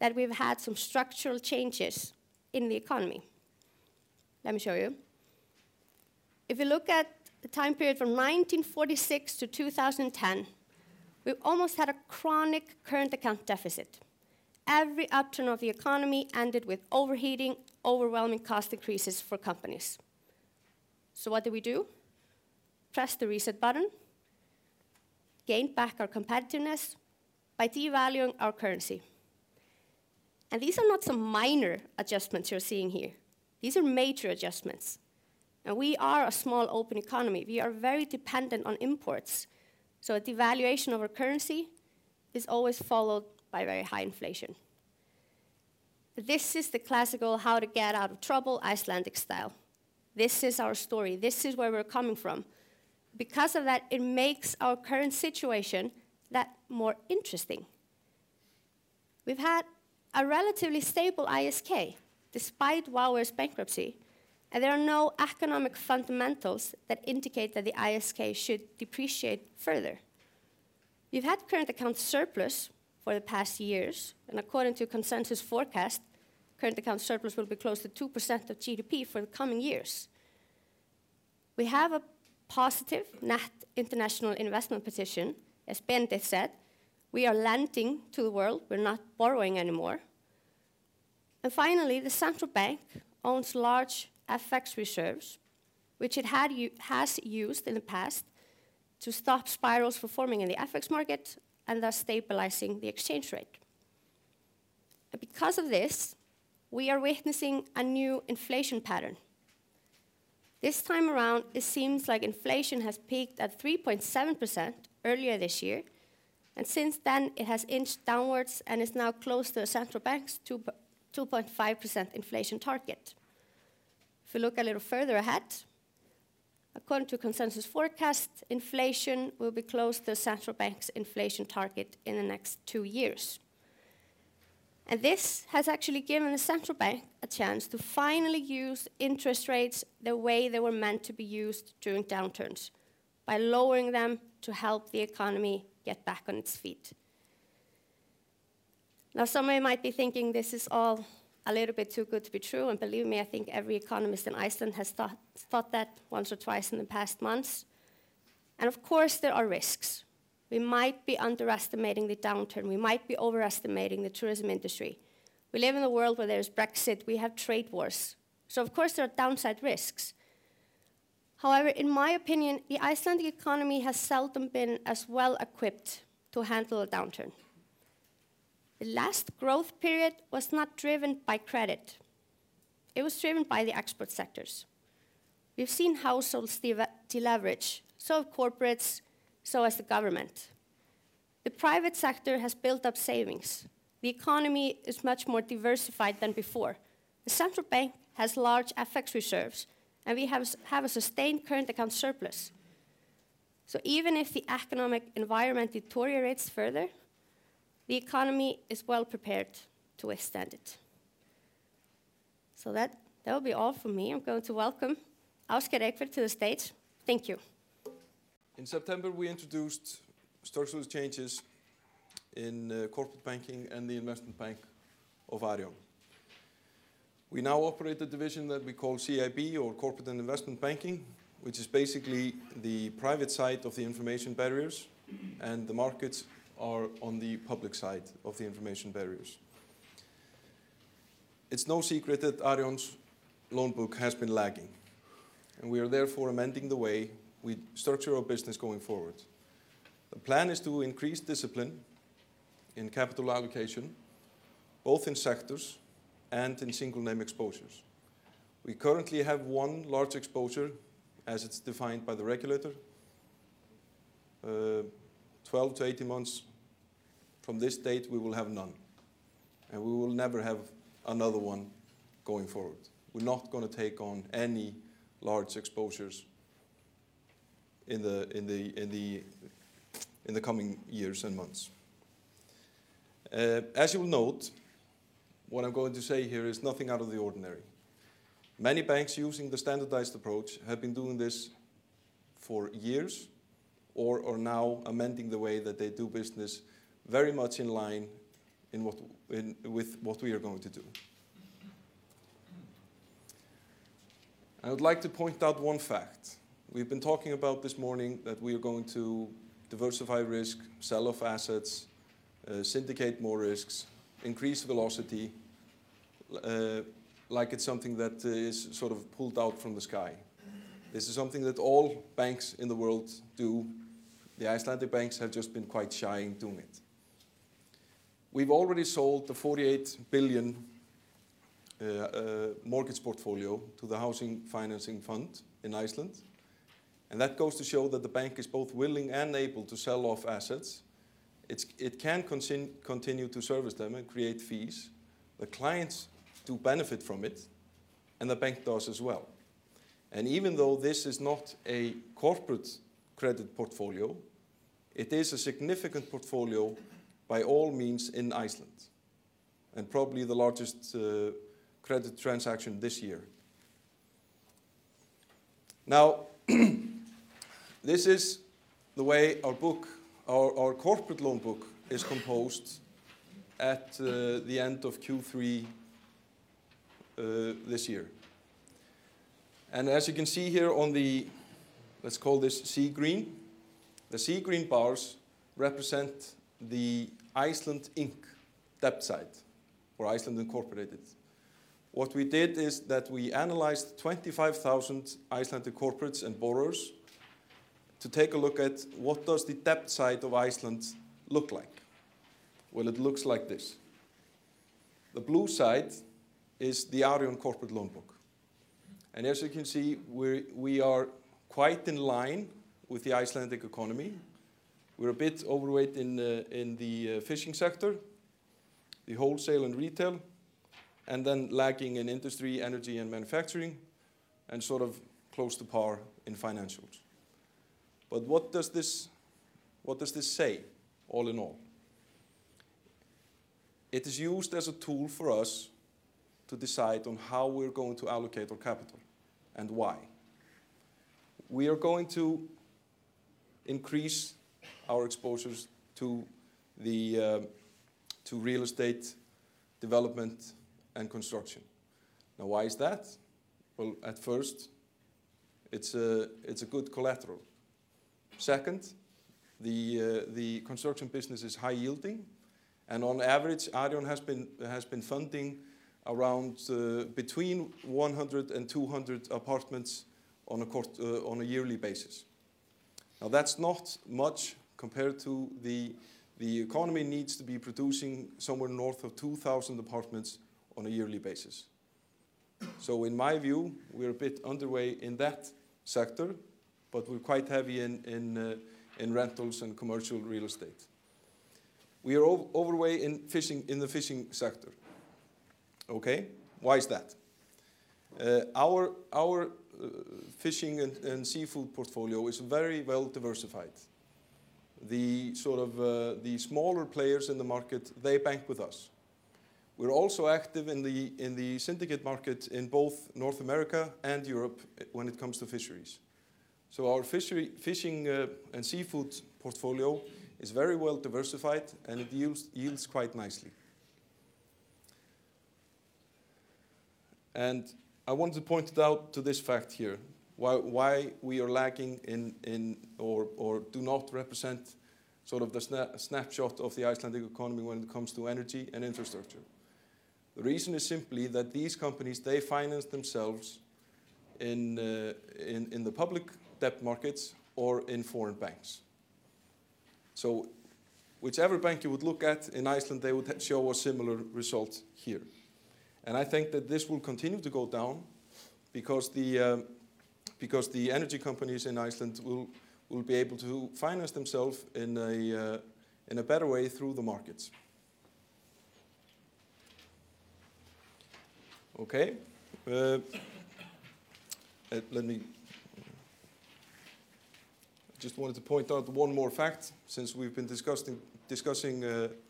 that we've had some structural changes in the economy. Let me show you. If you look at the time period from 1946 to 2010, we almost had a chronic current account deficit. Every upturn of the economy ended with overheating, overwhelming cost increases for companies. What do we do? Press the reset button, gain back our competitiveness by devaluing our currency. These are not some minor adjustments you're seeing here. These are major adjustments, and we are a small open economy. We are very dependent on imports, so a devaluation of our currency is always followed by very high inflation. This is the classical how to get out of trouble Icelandic style. This is our story. This is where we're coming from. Because of that, it makes our current situation that more interesting. We've had a relatively stable ISK despite WOW air's bankruptcy, and there are no economic fundamentals that indicate that the ISK should depreciate further. We've had current account surplus for the past years, and according to consensus forecast, current account surplus will be close to 2% of GDP for the coming years. We have a positive net international investment position, as Benedikt said. We are lending to the world, we're not borrowing anymore. Finally, the Central Bank owns large FX reserves, which it has used in the past to stop spirals from forming in the FX market and thus stabilizing the exchange rate. Because of this, we are witnessing a new inflation pattern. This time around, it seems like inflation has peaked at 3.7% earlier this year, and since then, it has inched downwards and is now close to the Central Bank's 2.5% inflation target. If you look a little further ahead, according to consensus forecast, inflation will be close to the Central Bank's inflation target in the next two years. This has actually given the Central Bank a chance to finally use interest rates the way they were meant to be used during downturns, by lowering them to help the economy get back on its feet. Now, somebody might be thinking this is all a little bit too good to be true, and believe me, I think every economist in Iceland has thought that once or twice in the past months. Of course, there are risks. We might be underestimating the downturn. We might be overestimating the tourism industry. We live in a world where there's Brexit. We have trade wars. Of course, there are downside risks. However, in my opinion, the Icelandic economy has seldom been as well equipped to handle a downturn. The last growth period was not driven by credit. It was driven by the export sectors. We've seen households deleverage, so have corporates, so has the government. The private sector has built up savings. The economy is much more diversified than before. The Central Bank has large FX reserves, and we have a sustained current account surplus. Even if the economic environment deteriorates further, the economy is well prepared to withstand it. That will be all from me. I'm going to welcome Ásgeir h to the stage. Thank you. In September, we introduced structural changes in corporate banking and the investment bank of Arion. We now operate a division that we call CIB, or corporate and investment banking, which is basically the private side of the information barriers, and the markets are on the public side of the information barriers. It's no secret that Arion's loan book has been lagging, and we are therefore amending the way we structure our business going forward. The plan is to increase discipline in capital allocation, both in sectors and in single name exposures. We currently have one large exposure as it's defined by the regulator. 12 to 18 months from this date, we will have none, and we will never have another one going forward. We're not going to take on any large exposures in the coming years and months. As you will note, what I'm going to say here is nothing out of the ordinary. Many banks using the standardized approach have been doing this for years or are now amending the way that they do business very much in line with what we are going to do. I would like to point out one fact. We've been talking about this morning that we are going to diversify risk, sell off assets, syndicate more risks, increase velocity, like it's something that is sort of pulled out from the sky. This is something that all banks in the world do. The Icelandic banks have just been quite shy in doing it. We've already sold the 48 billion mortgage portfolio to the Housing Financing Fund in Iceland, and that goes to show that the bank is both willing and able to sell off assets. It can continue to service them and create fees. The clients do benefit from it, the bank does as well. Even though this is not a corporate credit portfolio, it is a significant portfolio by all means in Iceland, and probably the largest credit transaction this year. Now, this is the way our corporate loan book is composed at the end of Q3 this year. As you can see here on the, let's call this sea green. The sea green bars represent the Iceland Inc. debt side, or Iceland Incorporated. What we did is that we analyzed 25,000 Icelandic corporates and borrowers to take a look at what does the debt side of Iceland look like. Well, it looks like this. The blue side is the Arion corporate loan book. As you can see, we are quite in line with the Icelandic economy. We're a bit overweight in the fishing sector, the wholesale and retail, lacking in industry, energy, and manufacturing, sort of close to par in financials. What does this say all in all? It is used as a tool for us to decide on how we're going to allocate our capital and why. We are going to increase our exposures to real estate development and construction. Why is that? Well, at first, it's a good collateral. Second, the construction business is high yielding, and on average, Arion has been funding between 100 and 200 apartments on a yearly basis. That's not much compared to the economy needs to be producing somewhere north of 2,000 apartments on a yearly basis. In my view, we're a bit underway in that sector, but we're quite heavy in rentals and commercial real estate. We are overweight in the fishing sector. Okay? Why is that? Our fishing and seafood portfolio is very well diversified. The smaller players in the market, they bank with us. We're also active in the syndicate market in both North America and Europe when it comes to fisheries. Our fishing and seafood portfolio is very well diversified, and it yields quite nicely. I want to point out to this fact here, why we are lacking in or do not represent sort of the snapshot of the Icelandic economy when it comes to energy and infrastructure. The reason is simply that these companies, they finance themselves in the public debt markets or in foreign banks. Whichever bank you would look at in Iceland, they would show a similar result here. I think that this will continue to go down because the energy companies in Iceland will be able to finance themselves in a better way through the markets. Okay. I just wanted to point out one more fact since we've been discussing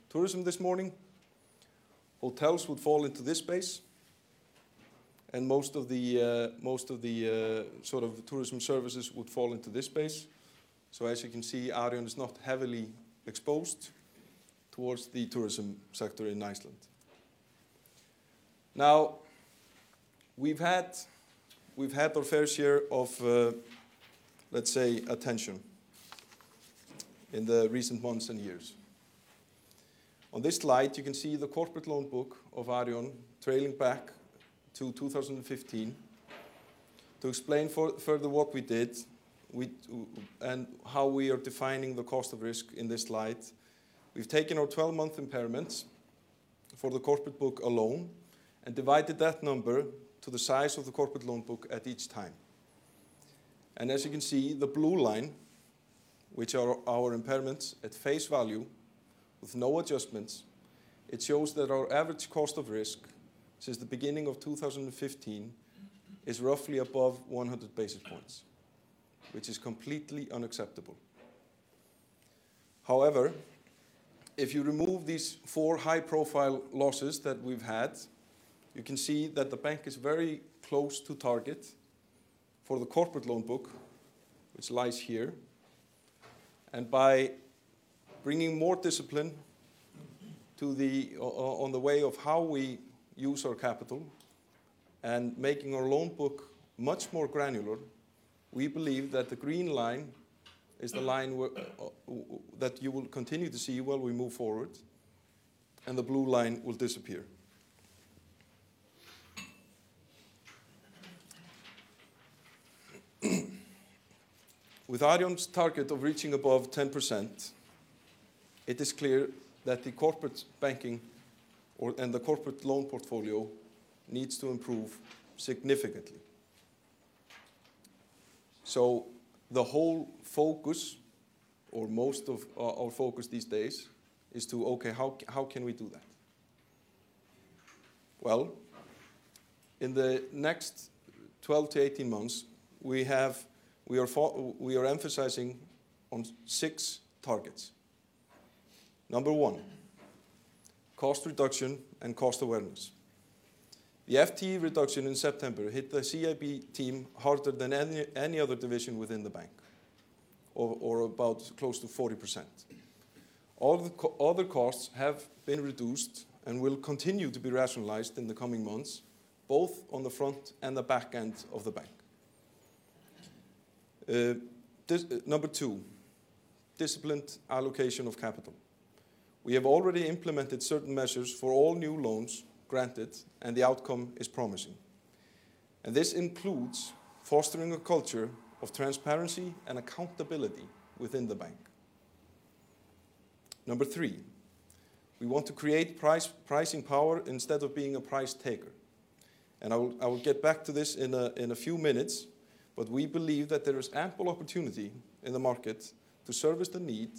tourism this morning. Hotels would fall into this space, and most of the tourism services would fall into this space. As you can see, Arion is not heavily exposed towards the tourism sector in Iceland. Now, we've had our fair share of, let's say, attention in the recent months and years. On this slide, you can see the corporate loan book of Arion trailing back to 2015. To explain further what we did and how we are defining the cost of risk in this slide, we've taken our 12-month impairments for the corporate book alone and divided that number to the size of the corporate loan book at each time. As you can see, the blue line, which are our impairments at face value with no adjustments, it shows that our average cost of risk since the beginning of 2015 is roughly above 100 basis points, which is completely unacceptable. However, if you remove these four high-profile losses that we've had, you can see that the bank is very close to target for the corporate loan book, which lies here. By bringing more discipline on the way of how we use our capital and making our loan book much more granular, we believe that the green line is the line that you will continue to see while we move forward, and the blue line will disappear. With Arion's target of reaching above 10%, it is clear that the corporate banking and the corporate loan portfolio needs to improve significantly. The whole focus, or most of our focus these days, is to, okay, how can we do that? Well, in the next 12 to 18 months, we are emphasizing on six targets. Number one, cost reduction and cost awareness. The FTE reduction in September hit the CIB team harder than any other division within the bank, or about close to 40%. Other costs have been reduced and will continue to be rationalized in the coming months, both on the front and the back end of the bank. Number two, disciplined allocation of capital. We have already implemented certain measures for all new loans granted, and the outcome is promising. This includes fostering a culture of transparency and accountability within the bank. Number three, we want to create pricing power instead of being a price taker. I will get back to this in a few minutes, but we believe that there is ample opportunity in the market to service the need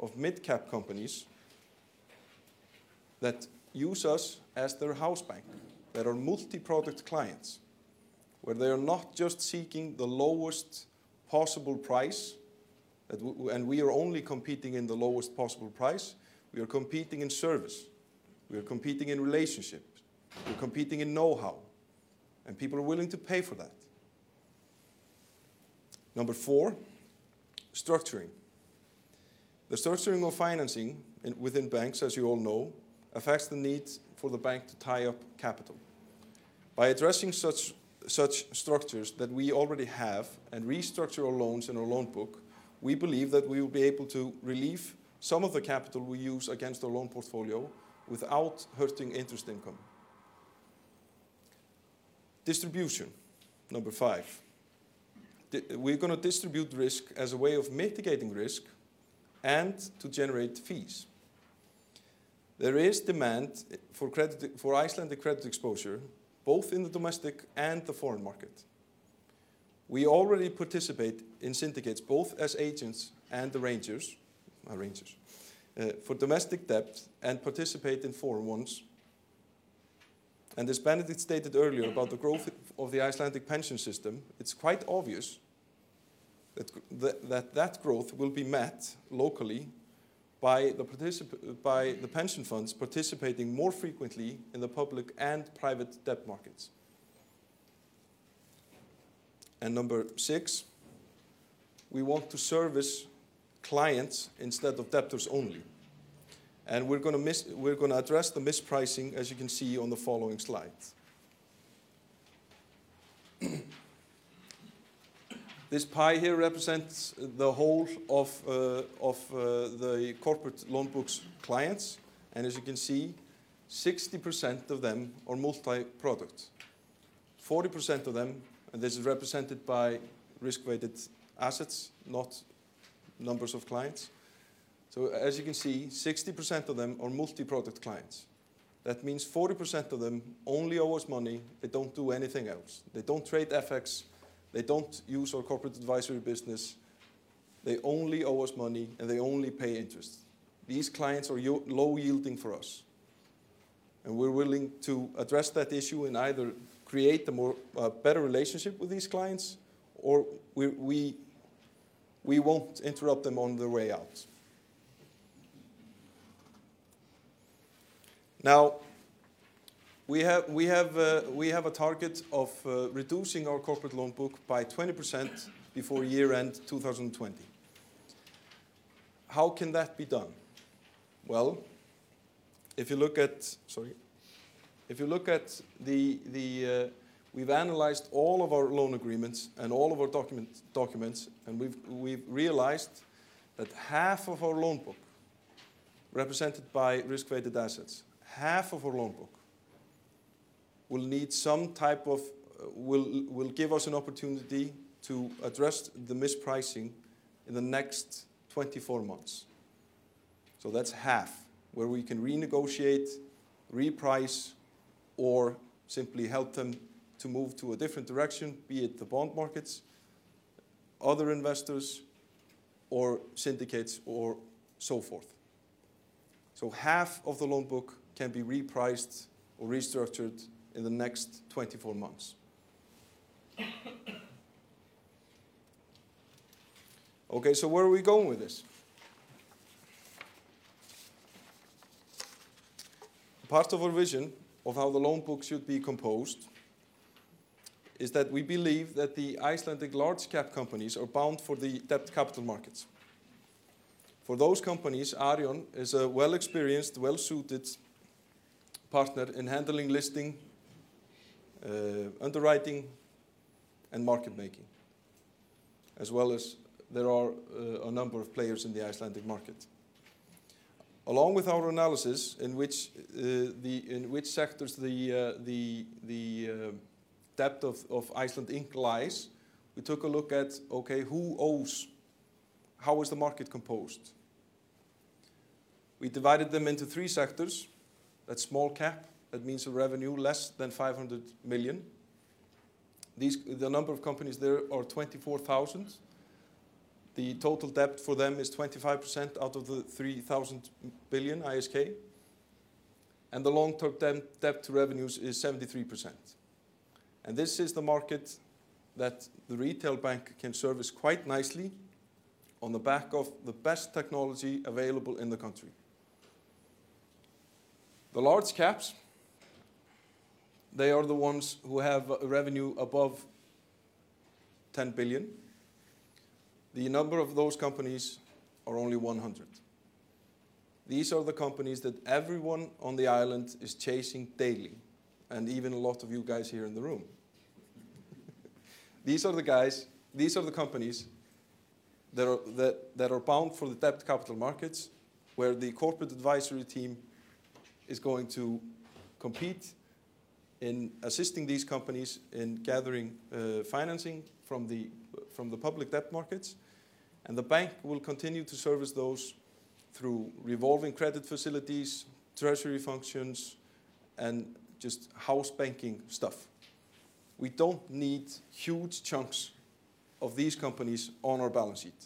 of mid-cap companies that use us as their house bank, that are multi-product clients, where they are not just seeking the lowest possible price, and we are only competing in the lowest possible price. We are competing in service. We are competing in relationships. We're competing in know-how, and people are willing to pay for that. Number four, structuring. The structuring of financing within banks, as you all know, affects the need for the bank to tie up capital. By addressing such structures that we already have and restructure our loans in our loan book, we believe that we will be able to relieve some of the capital we use against our loan portfolio without hurting interest income. Distribution, number five. We're going to distribute risk as a way of mitigating risk and to generate fees. There is demand for Icelandic credit exposure both in the domestic and the foreign market. We already participate in syndicates both as agents and arrangers for domestic debt and participate in foreign ones. As Benedikt stated earlier about the growth of the Icelandic pension system, it's quite obvious that that growth will be met locally by the pension funds participating more frequently in the public and private debt markets. Number six, we want to service clients instead of debtors only, and we're going to address the mispricing, as you can see on the following slide. This pie here represents the whole of the corporate loan book's clients, and as you can see, 60% of them are multi-product, 40% of them, and this is represented by risk-weighted assets, not numbers of clients. As you can see, 60% of them are multi-product clients. That means 40% of them only owe us money. They don't do anything else. They don't trade FX. They don't use our corporate advisory business. They only owe us money, and they only pay interest. These clients are low-yielding for us, and we're willing to address that issue and either create a more better relationship with these clients, or we won't interrupt them on their way out. Now, we have a target of reducing our corporate loan book by 20% before year-end 2020. How can that be done? Well, if you look at We've analyzed all of our loan agreements and all of our documents, and we've realized that half of our loan book, represented by risk-weighted assets, will give us an opportunity to address the mispricing in the next 24 months. That's half where we can renegotiate, reprice, or simply help them to move to a different direction, be it the bond markets, other investors or syndicates or so forth. Half of the loan book can be repriced or restructured in the next 24 months. Okay, where are we going with this? Part of our vision of how the loan book should be composed is that we believe that the Icelandic large-cap companies are bound for the debt capital markets. For those companies, Arion is a well-experienced, well-suited partner in handling listing, underwriting, and market making, as well as there are a number of players in the Icelandic market. Along with our analysis in which sectors the debt of Iceland Inc. lies, we took a look at, okay, who owes? How is the market composed? We divided them into three sectors. That's small cap. That means a revenue less than 500 million. The number of companies there are 24,000. The total debt for them is 25% out of the 3,000 billion ISK, and the long-term debt to revenues is 73%. This is the market that the retail bank can service quite nicely on the back of the best technology available in the country. The large caps, they are the ones who have revenue above 10 billion. The number of those companies are only 100. These are the companies that everyone on the island is chasing daily, and even a lot of you guys here in the room. These are the companies that are bound for the debt capital markets, where the corporate advisory team is going to compete in assisting these companies in gathering financing from the public debt markets. The bank will continue to service those through revolving credit facilities, treasury functions, and just house banking stuff. We don't need huge chunks of these companies on our balance sheet,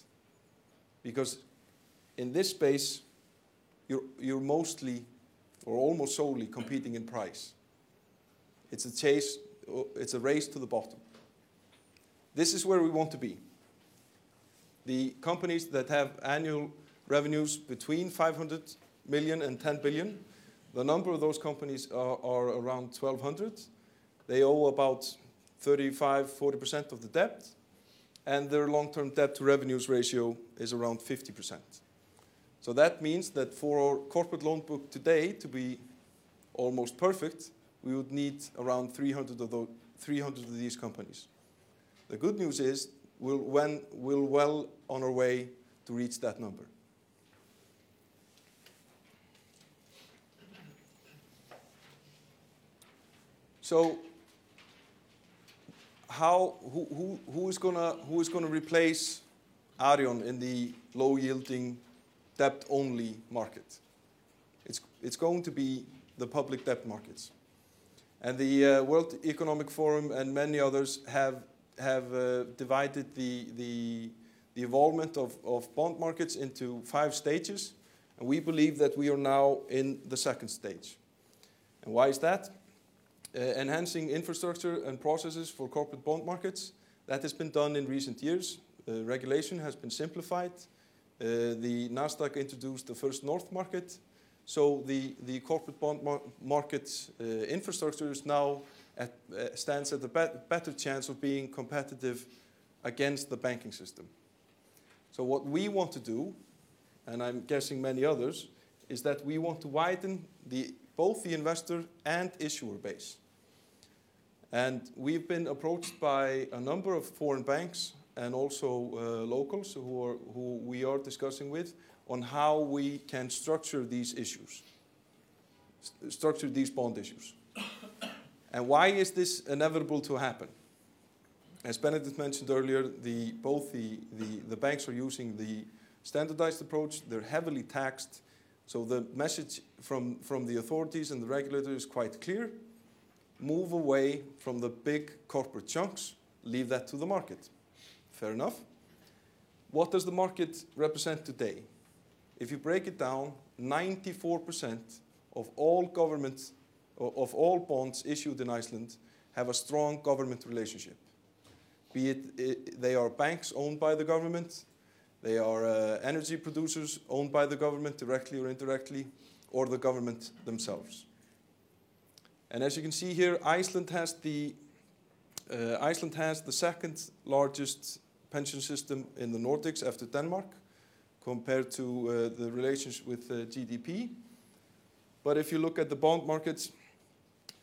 because in this space, you're mostly or almost solely competing in price. It's a race to the bottom. This is where we want to be. The companies that have annual revenues between 500 million and 10 billion, the number of those companies are around 1,200. They owe about 35%, 40% of the debt, and their long-term debt to revenues ratio is around 50%. That means that for our corporate loan book today to be almost perfect, we would need around 300 of these companies. The good news is we're well on our way to reach that number. Who is going to replace Arion in the low-yielding debt-only market? It's going to be the public debt markets. The World Economic Forum and many others have divided the evolvement of bond markets into 5 stages, and we believe that we are now in Stage 2. Why is that? Enhancing infrastructure and processes for corporate bond markets. That has been done in recent years. Regulation has been simplified. The Nasdaq introduced the First North market. The corporate bond market infrastructure now stands at a better chance of being competitive against the banking system. What we want to do, and I'm guessing many others, is that we want to widen both the investor and issuer base. We've been approached by a number of foreign banks and also locals who we are discussing with on how we can structure these bond issues. Why is this inevitable to happen? As Benedikt mentioned earlier, both the banks are using the standardized approach. They're heavily taxed. The message from the authorities and the regulator is quite clear. Move away from the big corporate chunks, leave that to the market. Fair enough. What does the market represent today? If you break it down, 94% of all bonds issued in Iceland have a strong government relationship. Be it they are banks owned by the government, they are energy producers owned by the government directly or indirectly, or the government themselves. As you can see here, Iceland has the second-largest pension system in the Nordics after Denmark, compared to the relations with GDP. If you look at the bond markets,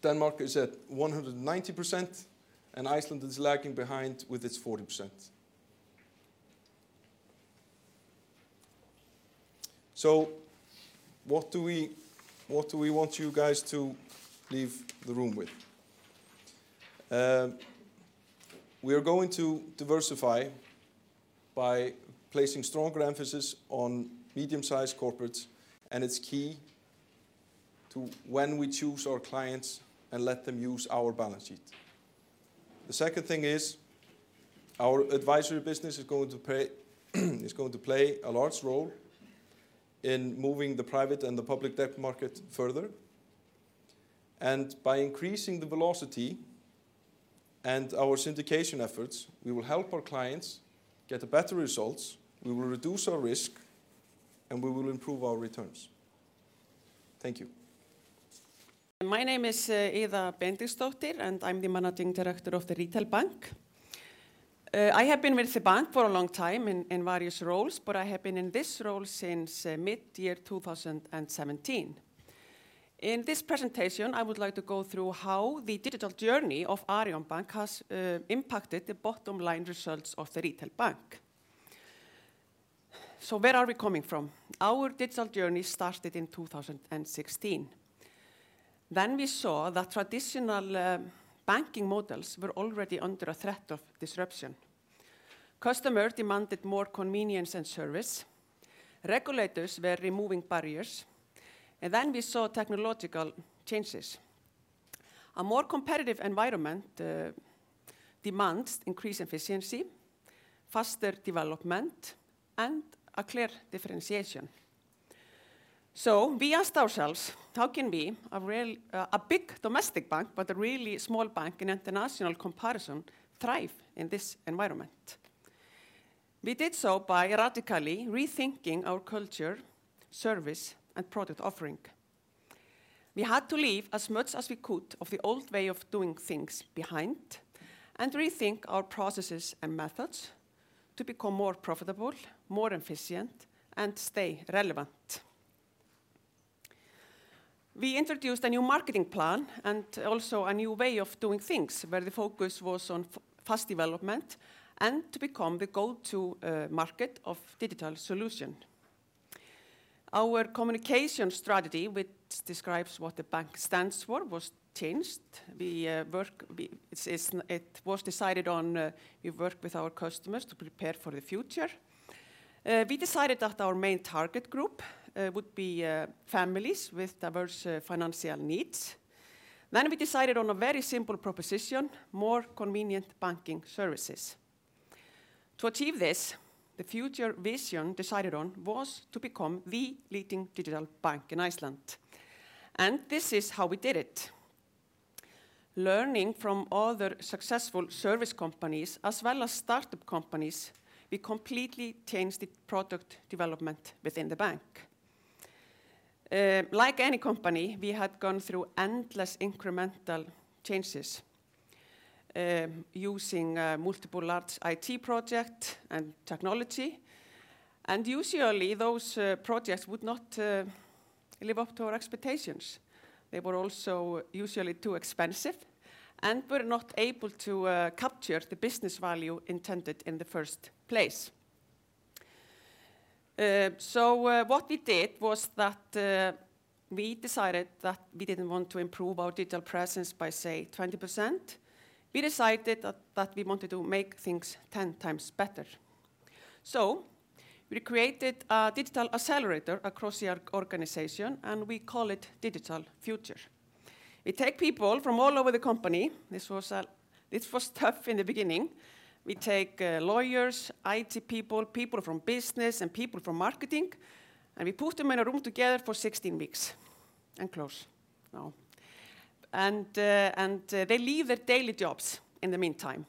Denmark is at 190% and Iceland is lagging behind with its 40%. What do we want you guys to leave the room with? We are going to diversify by placing stronger emphasis on medium-sized corporates, and it's key to when we choose our clients and let them use our balance sheet. The second thing is our advisory business is going to play a large role in moving the private and the public debt market further. By increasing the velocity and our syndication efforts, we will help our clients get better results, we will reduce our risk, and we will improve our returns. Thank you. My name is Ida Brá Benediktsdóttir, and I'm the Managing Director of Retail Banking. I have been with the bank for a long time in various roles, but I have been in this role since mid-year 2017. In this presentation, I would like to go through how the digital journey of Arion Bank has impacted the bottom-line results of the retail bank. Where are we coming from? Our digital journey started in 2016. We saw that traditional banking models were already under a threat of disruption. Customers demanded more convenience and service. Regulators were removing barriers. We saw technological changes. A more competitive environment demands increased efficiency, faster development, and a clear differentiation. We asked ourselves, how can we, a big domestic bank, but a really small bank in international comparison, thrive in this environment? We did so by radically rethinking our culture, service, and product offering. We had to leave as much as we could of the old way of doing things behind and rethink our processes and methods to become more profitable, more efficient, and stay relevant. We introduced a new marketing plan and also a new way of doing things where the focus was on fast development and to become the go-to market of digital solution. Our communication strategy, which describes what the bank stands for, was changed. It was decided on we work with our customers to prepare for the future. We decided that our main target group would be families with diverse financial needs. We decided on a very simple proposition, more convenient banking services. To achieve this, the future vision decided on was to become the leading digital bank in Iceland. This is how we did it. Learning from other successful service companies as well as startup companies, we completely changed the product development within the bank. Like any company, we had gone through endless incremental changes, using multiple large IT project and technology. Usually those projects would not live up to our expectations. They were also usually too expensive and were not able to capture the business value intended in the first place. What we did was that we decided that we didn't want to improve our digital presence by, say, 20%. We decided that we wanted to make things 10x better. We created a digital accelerator across the organization, and we call it Digital Future. We take people from all over the company. This was tough in the beginning. We take lawyers, IT people from business, and people from marketing, and we put them in a room together for 16 weeks and close. No. They leave their daily jobs in the meantime.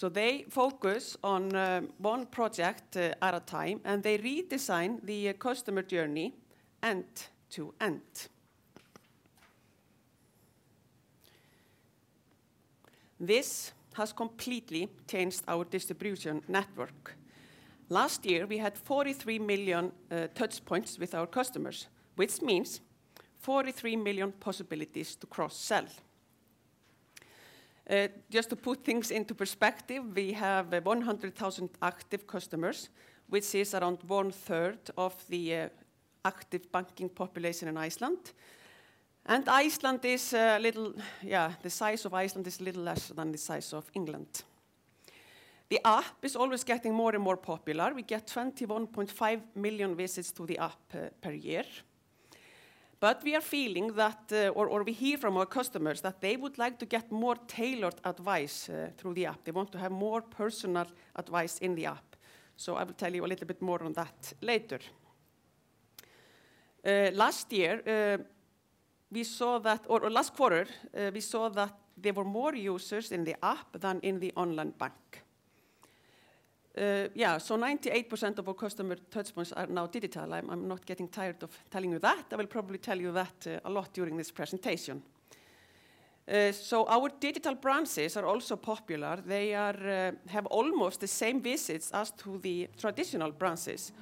They focus on one project at a time, and they redesign the customer journey end to end. This has completely changed our distribution network. Last year, we had 43 million touchpoints with our customers, which means 43 million possibilities to cross-sell. Just to put things into perspective, we have 100,000 active customers, which is around 1/3 of the active banking population in Iceland. The size of Iceland is a little less than the size of England. The app is always getting more and more popular. We get 21.5 million visits to the app per year. We are feeling that, or we hear from our customers that they would like to get more tailored advice through the app. They want to have more personal advice in the app. I will tell you a little bit more on that later. Last quarter, we saw that there were more users in the app than in the online bank. 98% of our customer touchpoints are now digital. I'm not getting tired of telling you that. I will probably tell you that a lot during this presentation. Our digital branches are also popular. They have almost the same visits as to the traditional branches,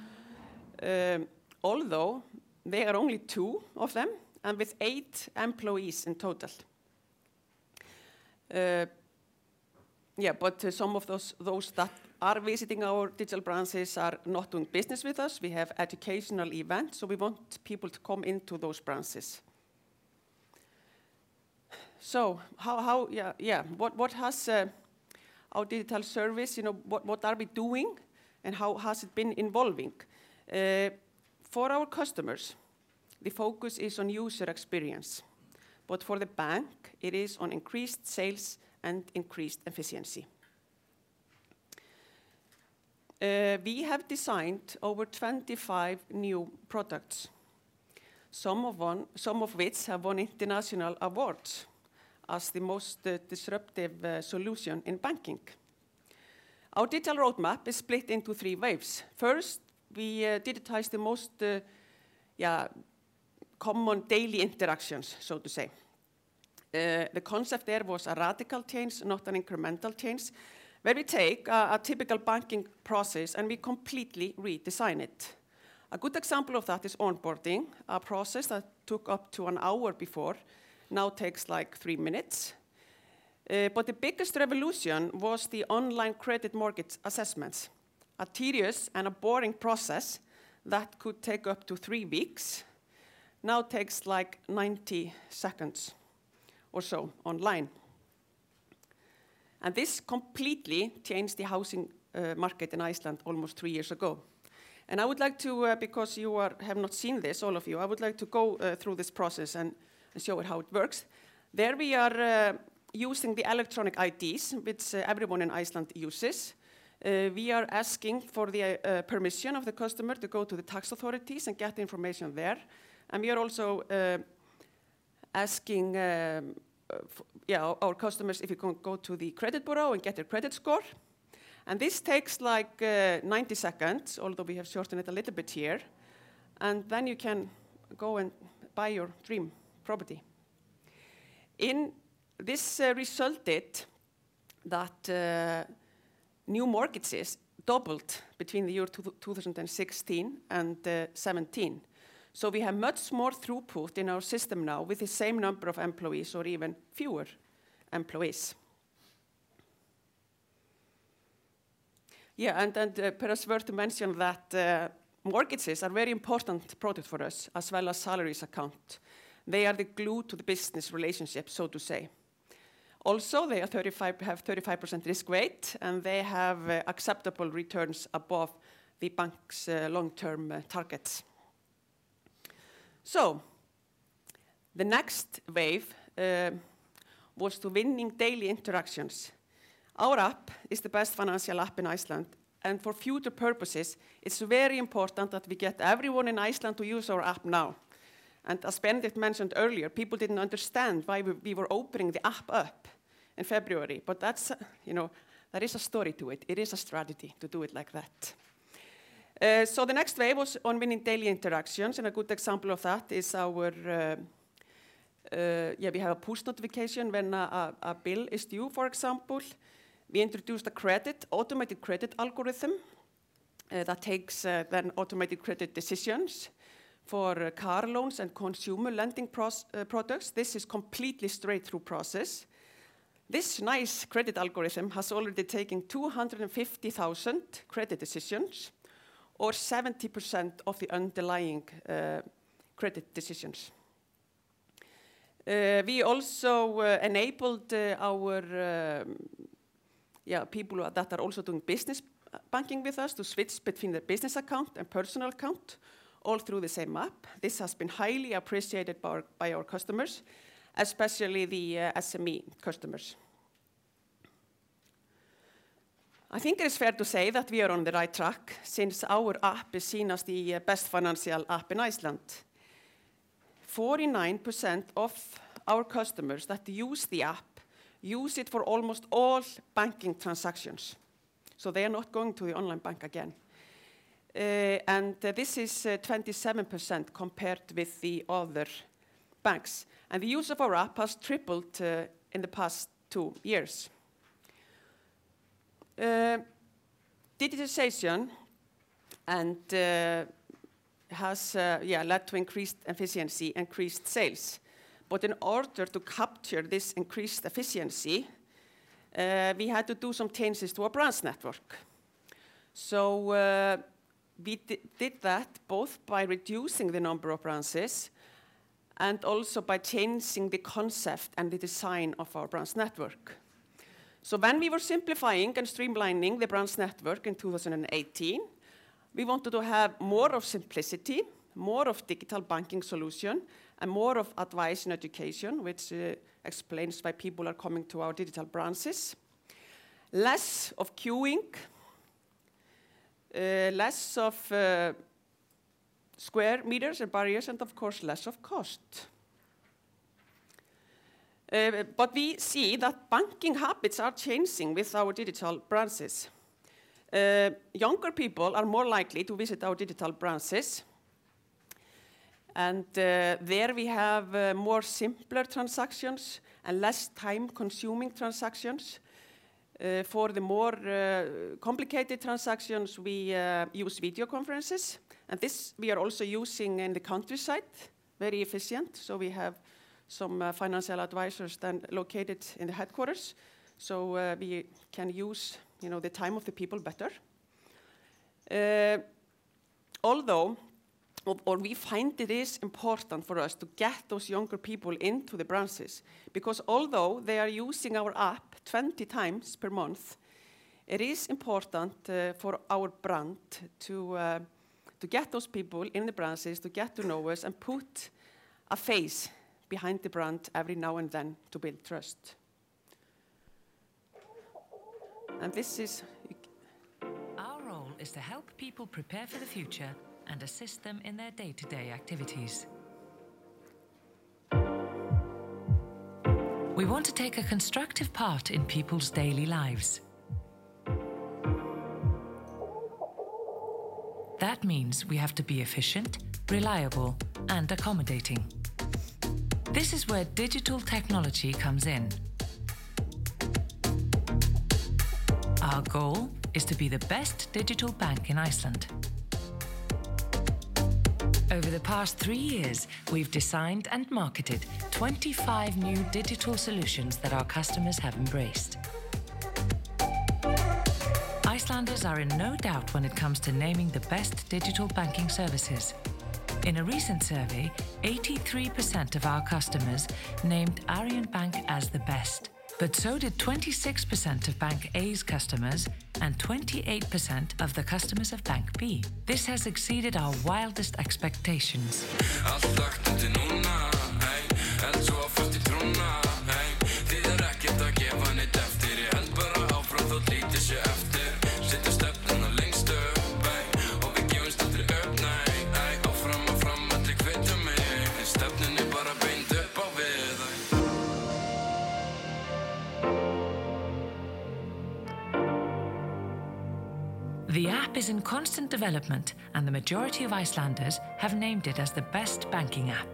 although there are only two of them and with eight employees in total. Some of those that are visiting our digital branches are not doing business with us. We have educational events, so we want people to come into those branches. What has our digital service, what are we doing and how has it been evolving? For our customers, the focus is on user experience, but for the bank, it is on increased sales and increased efficiency. We have designed over 25 new products, some of which have won international awards as the most disruptive solution in banking. Our digital roadmap is split into three waves. First, we digitize the most common daily interactions, so to say. The concept there was a radical change, not an incremental change, where we take a typical banking process, and we completely redesign it. A good example of that is onboarding, a process that took up to an hour before, now takes three minutes. But the biggest revolution was the online credit mortgage assessments. A tedious and a boring process that could take up to three weeks, now takes 90 seconds or so online. This completely changed the housing market in Iceland almost three years ago. I would like to, because you have not seen this, all of you, I would like to go through this process and show how it works. There we are using the electronic IDs, which everyone in Iceland uses. We are asking for the permission of the customer to go to the tax authorities and get the information there. We are also asking our customers if we can go to the credit bureau and get a credit score. This takes 90 seconds, although we have shortened it a little bit here, and then you can go and buy your dream property. In this resulted that new mortgages doubled between the year 2016 and 2017. We have much more throughput in our system now with the same number of employees or even fewer employees. Yeah, perhaps worth to mention that mortgages are a very important product for us, as well as salaries account. They are the glue to the business relationship, so to say. They have 35% risk weight, and they have acceptable returns above the bank's long-term targets. The next wave was to winning daily interactions. Our app is the best financial app in Iceland, and for future purposes, it's very important that we get everyone in Iceland to use our app now. As Benedikt mentioned earlier, people didn't understand why we were opening the app up in February, but there is a story to it. It is a strategy to do it like that. The next wave was on winning daily interactions, and a good example of that is our push notification when a bill is due, for example. We introduced an automated credit algorithm that takes automated credit decisions for car loans and consumer lending products. This is completely straight-through process. This nice credit algorithm has already taken 250,000 credit decisions or 70% of the underlying credit decisions. We also enabled our people that are also doing business banking with us to switch between their business account and personal account all through the same app. This has been highly appreciated by our customers, especially the SME customers. I think it is fair to say that we are on the right track since our app is seen as the best financial app in Iceland. 49% of our customers that use the app use it for almost all banking transactions, so they are not going to the online bank again. This is 27% compared with the other banks. The use of our app has tripled in the past two years. Digitization has led to increased efficiency, increased sales. In order to capture this increased efficiency, we had to do some changes to our branch network. We did that both by reducing the number of branches and also by changing the concept and the design of our branch network. When we were simplifying and streamlining the branch network in 2018, we wanted to have more of simplicity, more of digital banking solution, and more of advice and education, which explains why people are coming to our digital branches. Less of queuing, less of square meters and barriers, of course, less of cost. We see that banking habits are changing with our digital branches. Younger people are more likely to visit our digital branches, there we have more simpler transactions and less time-consuming transactions. For the more complicated transactions, we use video conferences, this we are also using in the countryside, very efficient. We have some financial advisors then located in the headquarters, so we can use the time of the people better. Although, we find it is important for us to get those younger people into the branches, because although they are using our app 20x per month, it is important for our brand to get those people in the branches to get to know us and put a face behind the brand every now and then to build trust. Our role is to help people prepare for the future and assist them in their day-to-day activities. We want to take a constructive part in people's daily lives. That means we have to be efficient, reliable, and accommodating. This is where digital technology comes in. Our goal is to be the best digital bank in Iceland. Over the past three years, we've designed and marketed 25 new digital solutions that our customers have embraced. Icelanders are in no doubt when it comes to naming the best digital banking services. In a recent survey, 83% of our customers named Arion Bank as the best, but so did 26% of Bank A's customers and 28% of the customers of Bank B. This has exceeded our wildest expectations. The app is in constant development, and the majority of Icelanders have named it as the best banking app.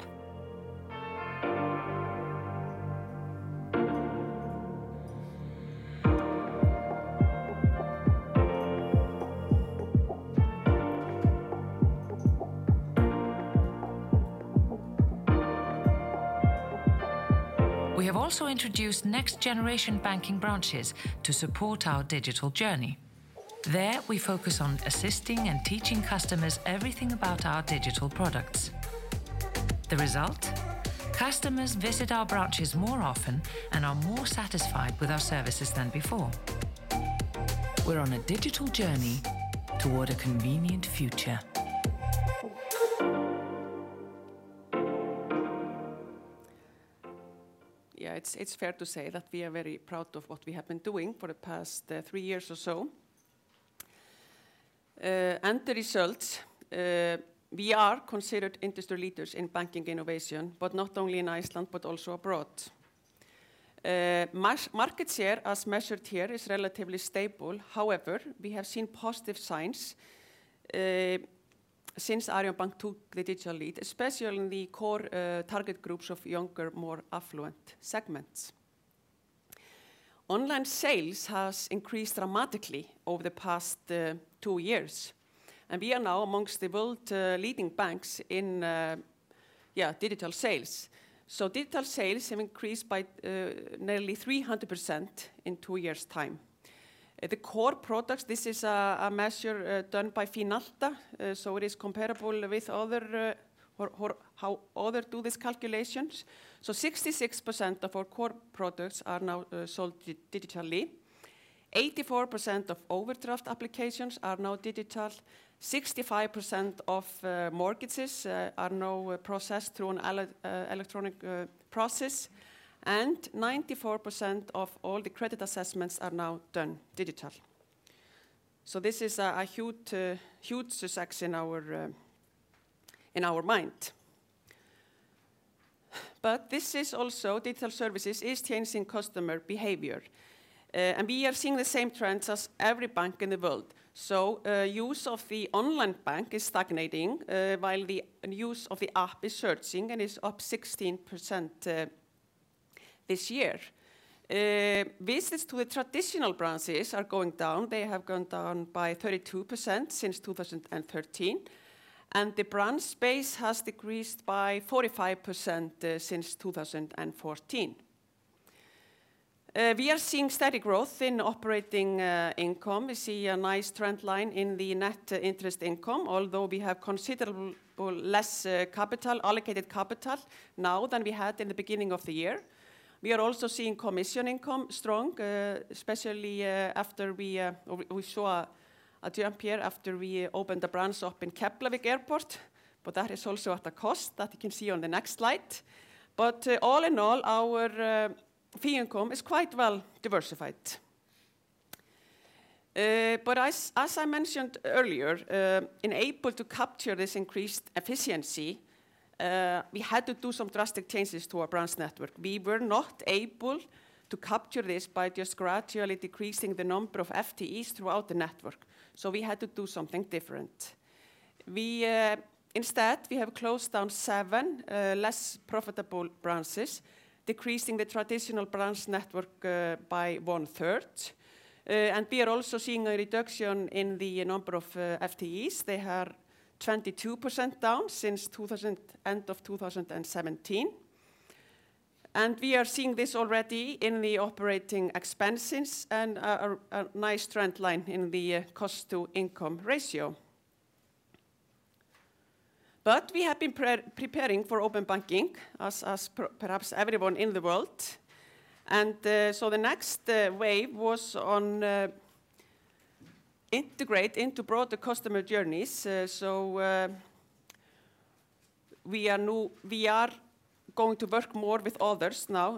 We have also introduced next-generation banking branches to support our digital journey. There, we focus on assisting and teaching customers everything about our digital products. The result, customers visit our branches more often and are more satisfied with our services than before. We're on a digital journey toward a convenient future. It's fair to say that we are very proud of what we have been doing for the past three years or so. The results, we are considered industry leaders in banking innovation, but not only in Iceland, but also abroad. Market share, as measured here, is relatively stable. However, we have seen positive signs since Arion Bank took the digital lead, especially in the core target groups of younger, more affluent segments. Online sales has increased dramatically over the past two years, we are now amongst the world leading banks in digital sales. Digital sales have increased by nearly 300% in two years' time. The core products, this is a measure done by Finalta, it is comparable with how others do these calculations. 66% of our core products are now sold digitally. 84% of overdraft applications are now digital, 65% of mortgages are now processed through an electronic process, and 94% of all the credit assessments are now done digital. This is a huge success in our mind. This is also, digital services is changing customer behavior, and we are seeing the same trends as every bank in the world. Use of the online bank is stagnating, while the use of the app is surging and is up 16% this year. Visits to the traditional branches are going down. They have gone down by 32% since 2013, and the branch space has decreased by 45% since 2014. We are seeing steady growth in operating income. We see a nice trend line in the net interest income, although we have considerably less allocated capital now than we had in the beginning of the year. We are also seeing commission income strong, especially after we saw a jump here after we opened a branch up in Keflavik Airport. That is also at a cost that you can see on the next slide. All in all, our fee income is quite well diversified. As I mentioned earlier, in order to capture this increased efficiency, we had to do some drastic changes to our branch network. We were not able to capture this by just gradually decreasing the number of FTEs throughout the network. We had to do something different. Instead, we have closed down seven less profitable branches, decreasing the traditional branch network by 1/3. We are also seeing a reduction in the number of FTEs. They are 22% down since end of 2017. We are seeing this already in the operating expenses and a nice trend line in the cost-to-income ratio. We have been preparing for open banking, as perhaps everyone in the world. The next wave was on integrate into broader customer journeys. We are going to work more with others now,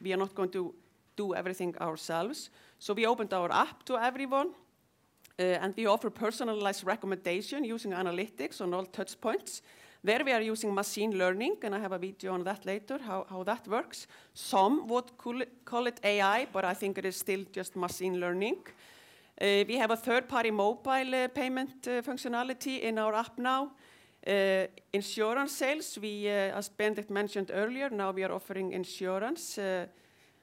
we are not going to do everything ourselves. We opened our app to everyone, and we offer personalized recommendation using analytics on all touchpoints. There, we are using machine learning, and I have a video on that later, how that works. Some would call it AI, but I think it is still just machine learning. We have a third-party mobile payment functionality in our app now. Insurance sales, as Benedikt mentioned earlier, now we are offering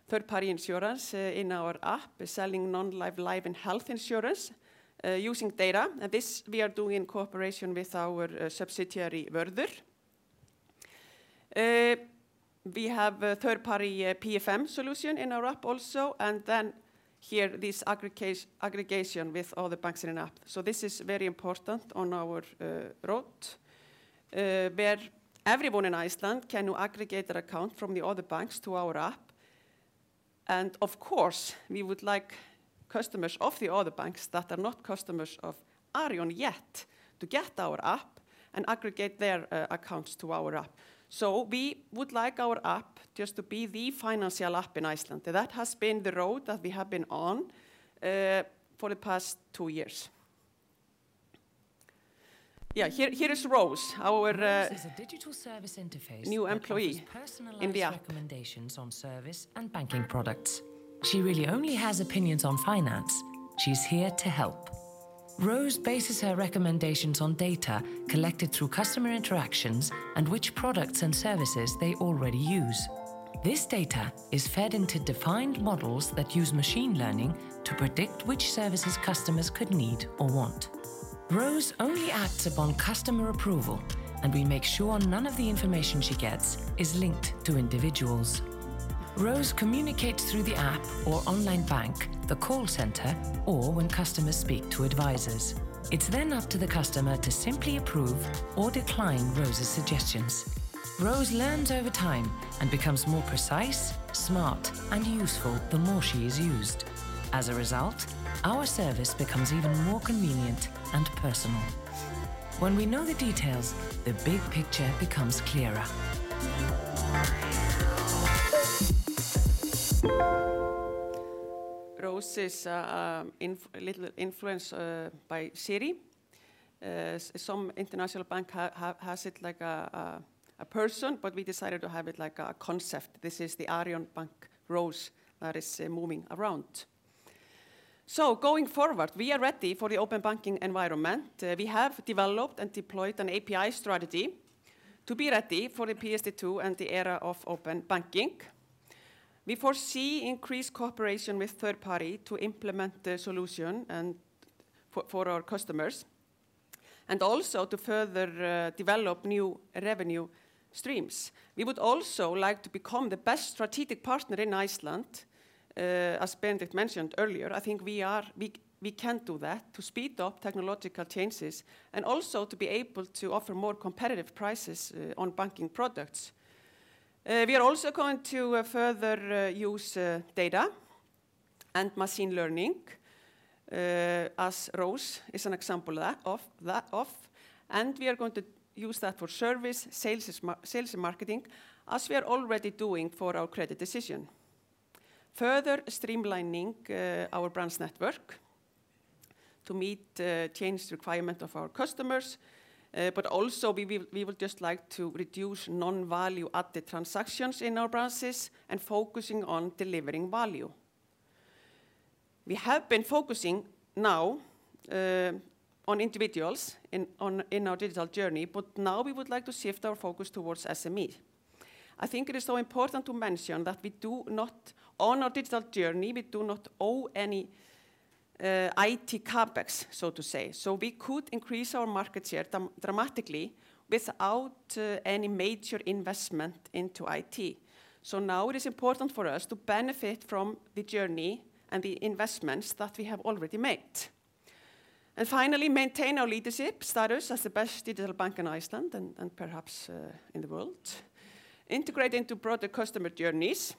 third-party insurance in our app, selling non-life, life, and health insurance using data. This we are doing in cooperation with our subsidiary, Vörður. We have a third-party PFM solution in our app also. Here, this aggregation with all the banks in an app. This is very important on our road, where everyone in Iceland can now aggregate their account from the other banks to our app. Of course, we would like customers of the other banks that are not customers of Arion yet to get our app and aggregate their accounts to our app. We would like our app just to be the financial app in Iceland. That has been the road that we have been on for the past two years. Yeah, here is Rose, our new employee in the app. Rose is a digital service interface that offers personalized recommendations on service and banking products. She really only has opinions on finance. She's here to help. Rose bases her recommendations on data collected through customer interactions and which products and services they already use. This data is fed into defined models that use machine learning to predict which services customers could need or want. Rose only acts upon customer approval, and we make sure none of the information she gets is linked to individuals. Rose communicates through the app or online bank, the call center, or when customers speak to advisors. It's up to the customer to simply approve or decline Rose's suggestions. Rose learns over time and becomes more precise, smart, and useful the more she is used. As a result, our service becomes even more convenient and personal. When we know the details, the big picture becomes clearer. Rose is a little influenced by Siri. Some international bank has it like a person, but we decided to have it like a concept. This is the Arion Bank Rose that is moving around. Going forward, we are ready for the open banking environment. We have developed and deployed an API strategy to be ready for the PSD2 and the era of open banking. We foresee increased cooperation with third party to implement the solution and for our customers, and also to further develop new revenue streams. We would also like to become the best strategic partner in Iceland. As Benedikt mentioned earlier, I think we can do that to speed up technological changes and also to be able to offer more competitive prices on banking products. We are also going to further use data and machine learning, as Rose is an example of that. We are going to use that for service, sales, and marketing, as we are already doing for our credit decision. Further streamlining our branch network to meet changing requirements of our customers. We would just like to reduce non-value-added transactions in our branches and focusing on delivering value. We have been focusing now on individuals in our digital journey, but now we would like to shift our focus towards SME. I think it is so important to mention that on our digital journey, we do not owe any IT CapEx, so to say. We could increase our market share dramatically without any major investment into IT. Now it is important for us to benefit from the journey and the investments that we have already made. Finally, maintain our leadership status as the best digital bank in Iceland and perhaps in the world. Integrate into broader customer journeys,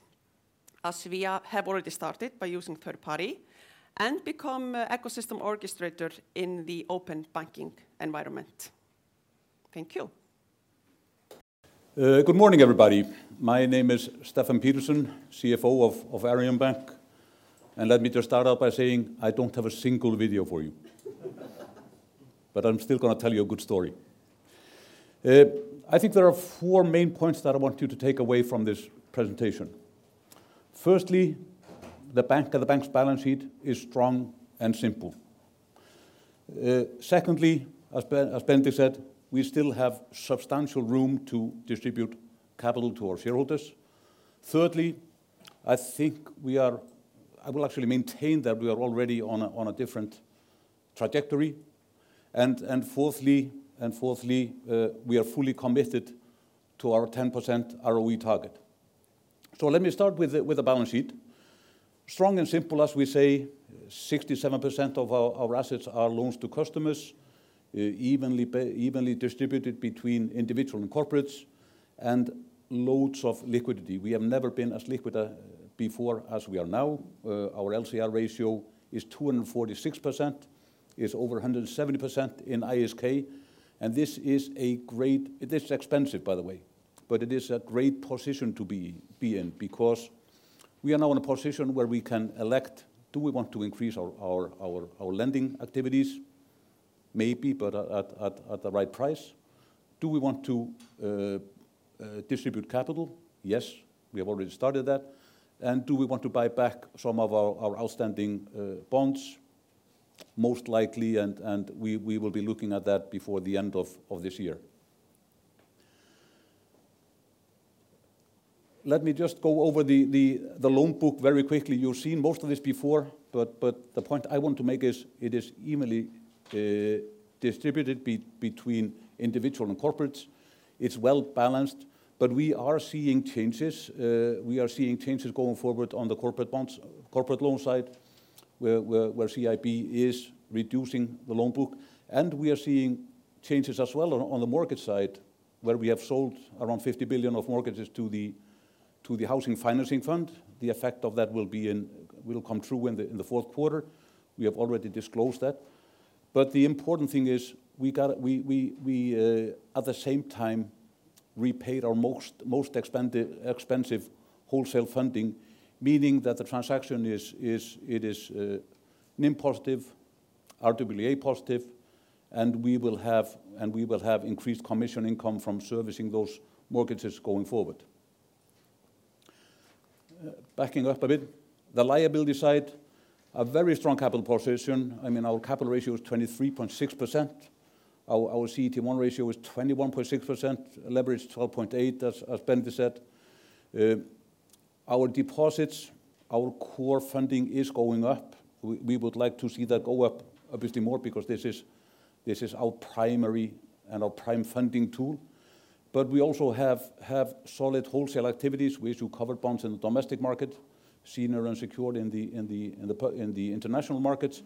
as we have already started by using third party, and become ecosystem orchestrator in the open banking environment. Thank you. Good morning, everybody. My name is Stefán Pétursson, CFO of Arion Bank. Let me just start out by saying I don't have a single video for you. I'm still going to tell you a good story. I think there are four main points that I want you to take away from this presentation. Firstly, the bank and the bank's balance sheet is strong and simple. Secondly, as Benedikt said, we still have substantial room to distribute capital to our shareholders. Thirdly, I will actually maintain that we are already on a different trajectory. Fourthly, we are fully committed to our 10% ROE target. Let me start with the balance sheet. Strong and simple, as we say, 67% of our assets are loans to customers, evenly distributed between individual and corporates and loads of liquidity. We have never been as liquid before as we are now. Our LCR ratio is 246%, is over 170% in ISK. This is expensive, by the way, but it is a great position to be in because we are now in a position where we can elect, do we want to increase our lending activities? Maybe, but at the right price. Do we want to distribute capital? Yes, we have already started that. Do we want to buy back some of our outstanding bonds? Most likely, we will be looking at that before the end of this year. Let me just go over the loan book very quickly. You've seen most of this before, but the point I want to make is it is evenly distributed between individual and corporates. It's well balanced, but we are seeing changes. We are seeing changes going forward on the corporate loan side, where CIB is reducing the loan book, and we are seeing changes as well on the mortgage side, where we have sold around 50 billion of mortgages to the Housing Financing Fund. The effect of that will come through in the fourth quarter. We have already disclosed that. The important thing is we, at the same time, repaid our most expensive wholesale funding, meaning that the transaction is NIM positive, RWA positive, and we will have increased commission income from servicing those mortgages going forward. Backing up a bit, the liability side, a very strong capital position. Our capital ratio is 23.6%. Our CET1 ratio is 21.6%, leverage 12.8, as Benedikt said. Our deposits, our core funding is going up. We would like to see that go up obviously more because this is our primary and our prime funding tool. We also have solid wholesale activities. We issue covered bonds in the domestic market, senior unsecured in the international markets.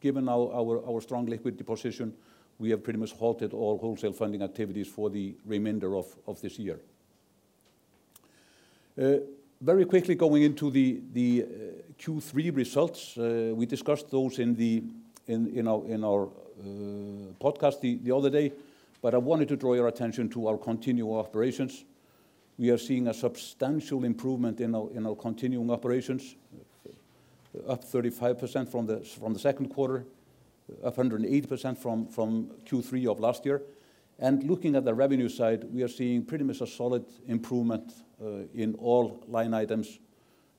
Given our strong liquidity position, we have pretty much halted all wholesale funding activities for the remainder of this year. Very quickly going into the Q3 results. We discussed those in our podcast the other day, but I wanted to draw your attention to our continual operations. We are seeing a substantial improvement in our continuing operations, up 35% from the second quarter, up 108% from Q3 of last year. Looking at the revenue side, we are seeing pretty much a solid improvement, in all line items,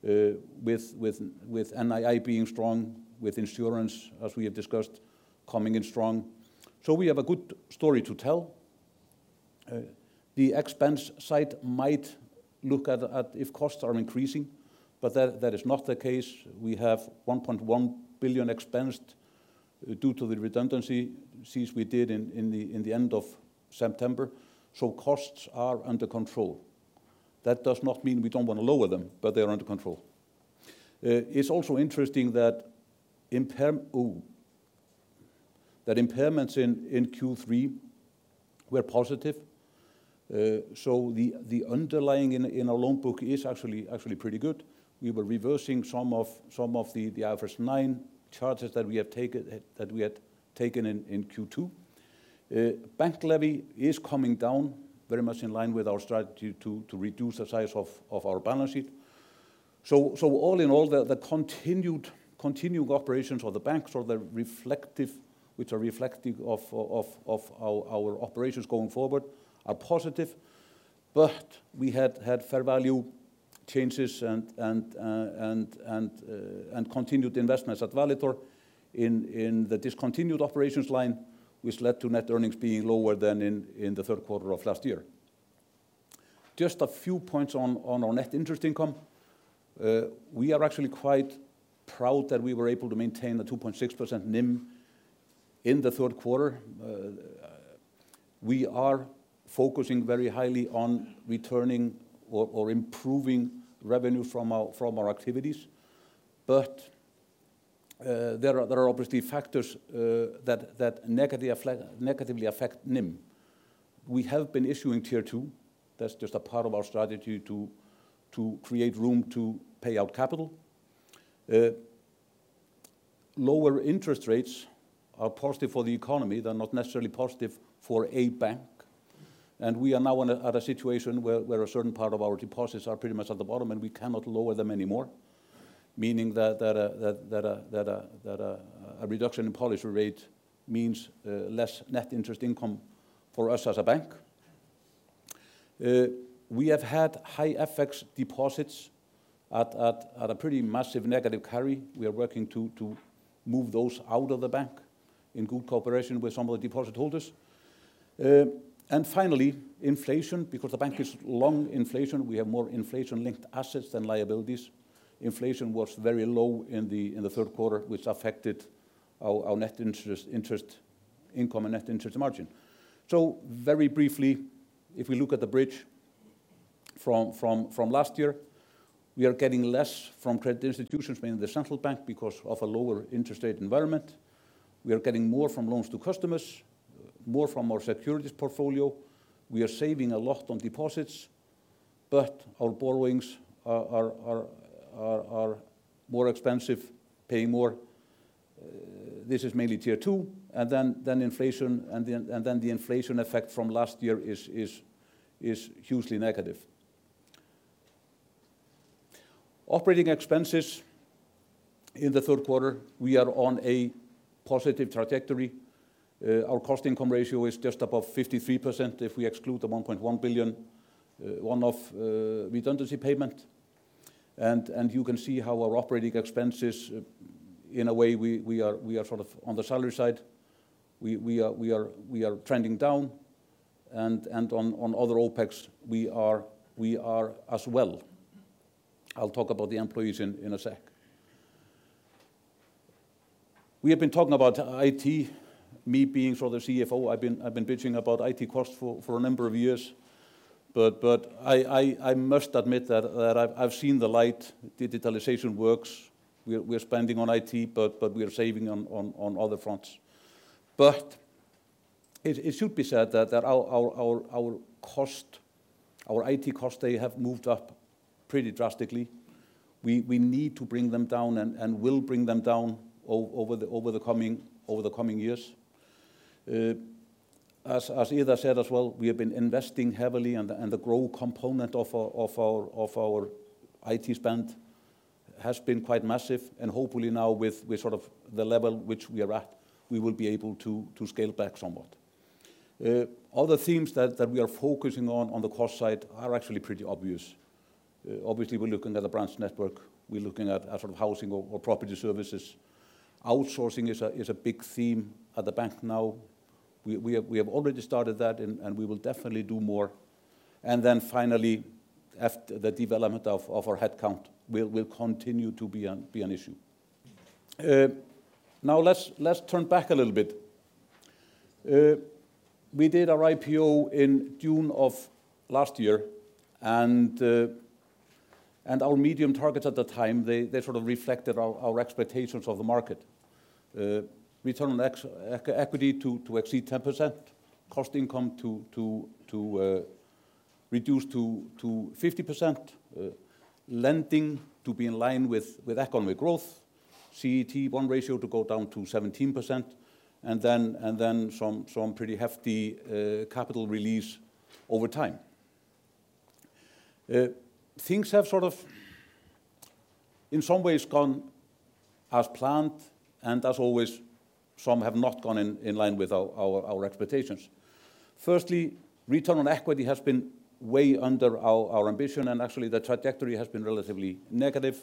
with NII being strong, with insurance, as we have discussed, coming in strong. We have a good story to tell. The expense side might look as if costs are increasing, but that is not the case. We have 1.1 billion expensed due to the redundancies we did in the end of September. Costs are under control. That does not mean we don't want to lower them, but they are under control. It's also interesting that impairments in Q3 were positive. The underlying in our loan book is actually pretty good. We were reversing some of the IFRS 9 charges that we had taken in Q2. Bank levy is coming down very much in line with our strategy to reduce the size of our balance sheet. All in all, the continued operations of the banks, which are reflective of our operations going forward, are positive. We had fair value changes and continued investments at Valitor in the discontinued operations line, which led to net earnings being lower than in the third quarter of last year. Just a few points on our net interest income. We are actually quite proud that we were able to maintain a 2.6% NIM in the third quarter. We are focusing very highly on returning or improving revenue from our activities. There are obviously factors that negatively affect NIM. We have been issuing Tier 2. That's just a part of our strategy to create room to pay out capital. Lower interest rates are positive for the economy. They're not necessarily positive for a bank. We are now at a situation where a certain part of our deposits are pretty much at the bottom, and we cannot lower them anymore, meaning that a reduction in policy rate means less net interest income for us as a bank. We have had high FX deposits at a pretty massive negative carry. We are working to move those out of the bank in good cooperation with some of the deposit holders. Finally, inflation, because the bank is long inflation, we have more inflation-linked assets than liabilities. Inflation was very low in the third quarter, which affected our net interest income and net interest margin. Very briefly, if we look at the bridge from last year, we are getting less from credit institutions, meaning the Central Bank, because of a lower interest rate environment. We are getting more from loans to customers, more from our securities portfolio. We are saving a lot on deposits, but our borrowings are more expensive, paying more. This is mainly Tier 2. The inflation effect from last year is hugely negative. Operating expenses in the third quarter, we are on a positive trajectory. Our cost income ratio is just above 53% if we exclude the 1.1 billion one-off redundancy payment. You can see how our operating expenses, in a way, we are sort of on the salary side. We are trending down, and on other OPEX, we are as well. I'll talk about the employees in a sec. We have been talking about IT, me being the CFO, I've been bitching about IT costs for a number of years, but I must admit that I've seen the light. Digitalization works. We're spending on IT, we are saving on other fronts. It should be said that our IT costs, they have moved up pretty drastically. We need to bring them down and will bring them down over the coming years. As Ida said as well, we have been investing heavily the growth component of our IT spend has been quite massive, hopefully now with the level which we are at, we will be able to scale back somewhat. Other themes that we are focusing on the cost side are actually pretty obvious. Obviously, we're looking at the branch network. We're looking at housing or property services. Outsourcing is a big theme at the bank now. We have already started that, we will definitely do more. Finally, the development of our headcount will continue to be an issue. Now let's turn back a little bit. We did our IPO in June of last year, and our medium targets at the time sort of reflected our expectations of the market. Return on equity to exceed 10%, cost income to reduce to 50%, lending to be in line with economic growth, CET1 ratio to go down to 17%, and then some pretty hefty capital release over time. Things have sort of, in some ways gone as planned and as always, some have not gone in line with our expectations. Firstly, return on equity has been way under our ambition, and actually, the trajectory has been relatively negative,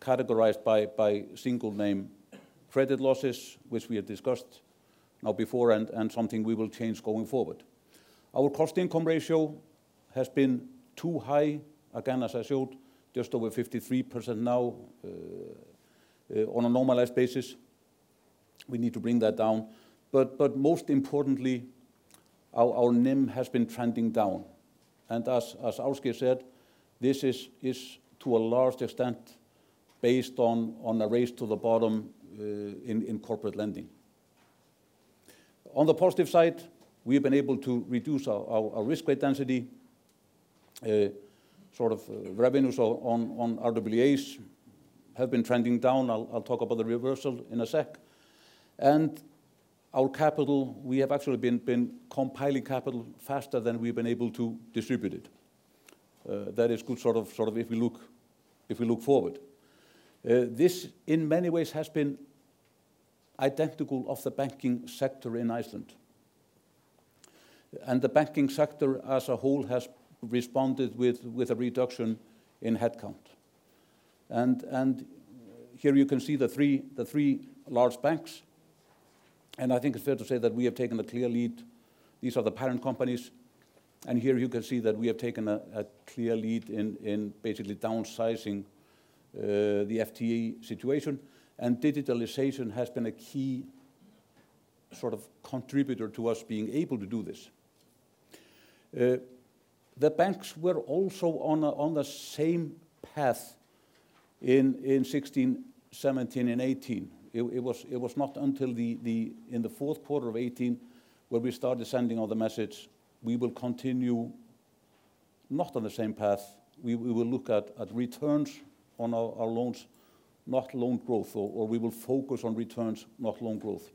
categorized by single name credit losses, which we have discussed now before and something we will change going forward. Our cost income ratio has been too high, again, as I showed, just over 53% now, on a normalized basis. We need to bring that down. Most importantly, our NIM has been trending down. As Ásgeir said, this is to a large extent based on a race to the bottom in corporate lending. On the positive side, we have been able to reduce our risk weight density, sort of revenues on RWAs have been trending down. I'll talk about the reversal in a sec. Our capital, we have actually been compiling capital faster than we've been able to distribute it. That is good sort of if we look forward. This, in many ways, has been identical of the banking sector in Iceland, and the banking sector as a whole has responded with a reduction in headcount. Here you can see the three large banks, and I think it's fair to say that we have taken the clear lead. These are the parent companies. Here you can see that we have taken a clear lead in basically downsizing the FTE situation, and digitalization has been a key sort of contributor to us being able to do this. The banks were also on the same path in 2016, 2017, and 2018. It was not until in the fourth quarter of 2018 where we started sending out the message, we will continue not on the same path. We will look at returns on our loans, not loan growth, or we will focus on returns, not loan growth.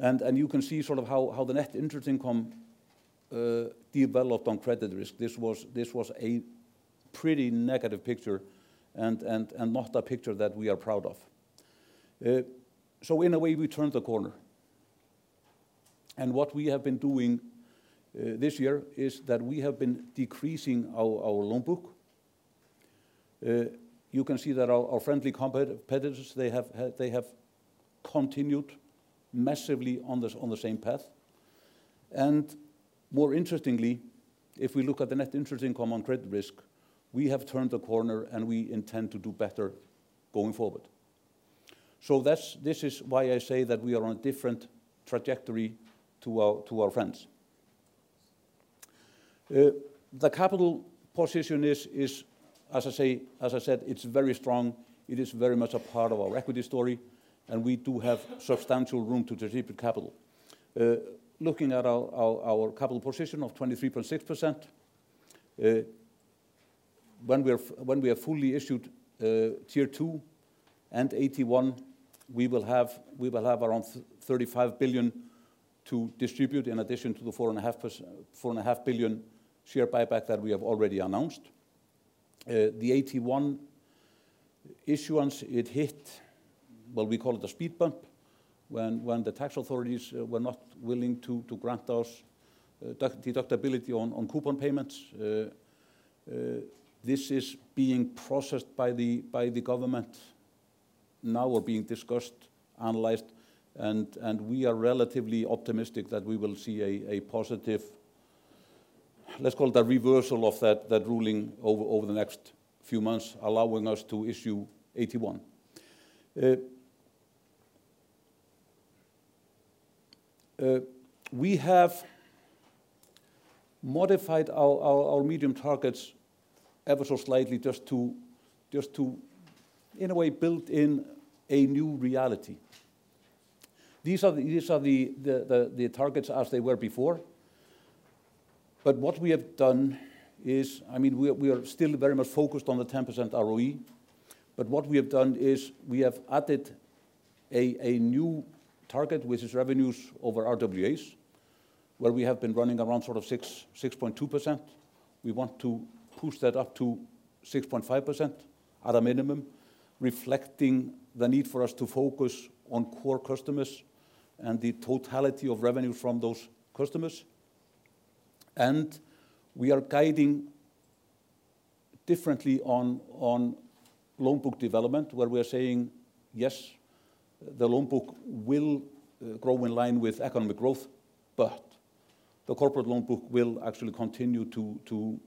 You can see sort of how the net interest income developed on credit risk. This was a pretty negative picture and not a picture that we are proud of. In a way, we turned the corner. What we have been doing this year is that we have been decreasing our loan book. You can see that our friendly competitors, they have continued massively on the same path. More interestingly, if we look at the net interest income on credit risk, we have turned the corner and we intend to do better going forward. This is why I say that we are on a different trajectory to our friends. The capital position is, as I said, it's very strong. It is very much a part of our equity story, and we do have substantial room to distribute capital. Looking at our capital position of 23.6%, when we are fully issued Tier 2 and AT1, we will have around 35 billion to distribute in addition to the 4.5 billion share buyback that we have already announced. The AT1 issuance, it hit, well, we call it a speed bump, when the tax authorities were not willing to grant us deductibility on coupon payments. This is being processed by the government now or being discussed, analyzed, and we are relatively optimistic that we will see a positive, let's call it a reversal of that ruling over the next few months, allowing us to issue AT1. We have modified our medium targets ever so slightly just to, in a way, build in a new reality. These are the targets as they were before. What we have done is, we are still very much focused on the 10% ROE, but what we have done is we have added a new target, which is revenues over RWAs, where we have been running around sort of 6.2%. We want to push that up to 6.5% at a minimum. Reflecting the need for us to focus on core customers and the totality of revenue from those customers. We are guiding differently on loan book development, where we are saying, yes, the loan book will grow in line with economic growth, but the corporate loan book will actually continue to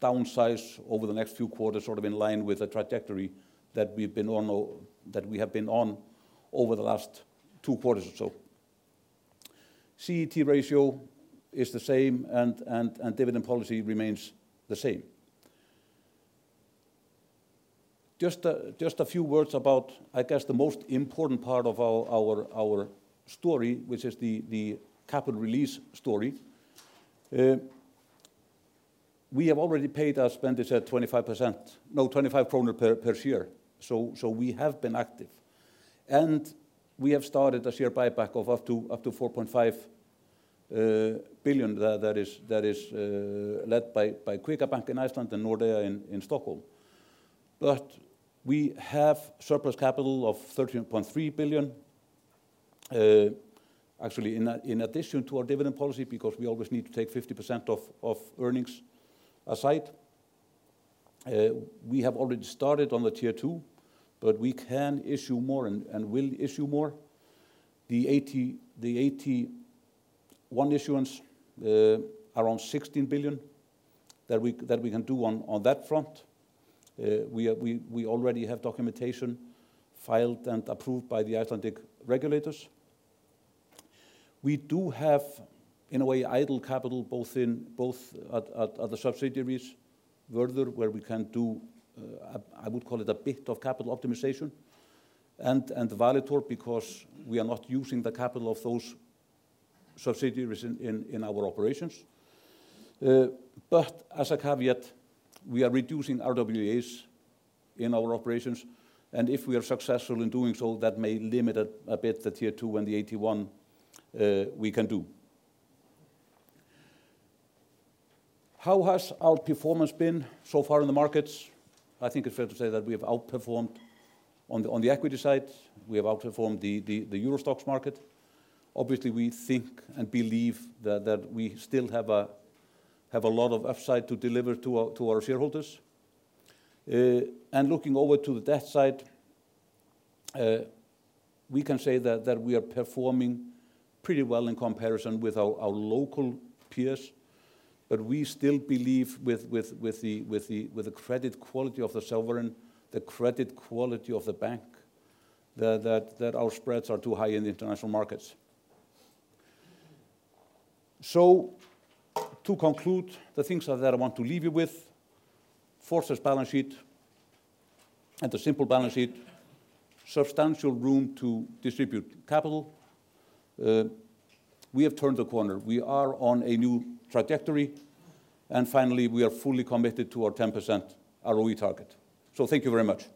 downsize over the next few quarters in line with the trajectory that we have been on over the last two quarters or so. CET ratio is the same and dividend policy remains the same. Just a few words about, I guess, the most important part of our story, which is the capital release story. We have already paid our dividend at 25 per share, so we have been active. We have started a share buyback of up to 4.5 billion that is led by Kvika Bank in Iceland and Nordea in Stockholm. We have surplus capital of 13.3 billion. In addition to our dividend policy, because we always need to take 50% of earnings aside. We have already started on the Tier 2, but we can issue more and will issue more. The AT1 issuance around 16 billion that we can do on that front. We already have documentation filed and approved by the Icelandic regulators. We do have, in a way, idle capital, both at other subsidiaries, Vörður, where we can do, I would call it a bit of capital optimization, and Valitor because we are not using the capital of those subsidiaries in our operations. As a caveat, we are reducing RWAs in our operations, and if we are successful in doing so, that may limit a bit the Tier 2 and the AT1 we can do. How has our performance been so far in the markets? I think it's fair to say that we have outperformed on the equity side. We have outperformed the EURO STOXX market. Obviously, we think and believe that we still have a lot of upside to deliver to our shareholders. Looking over to the debt side, we can say that we are performing pretty well in comparison with our local peers. We still believe with the credit quality of the sovereign, the credit quality of the bank, that our spreads are too high in the international markets. To conclude, the things that I want to leave you with, fortress balance sheet and a simple balance sheet, substantial room to distribute capital. We have turned the corner. We are on a new trajectory. Finally, we are fully committed to our 10% ROE target. Thank you very much.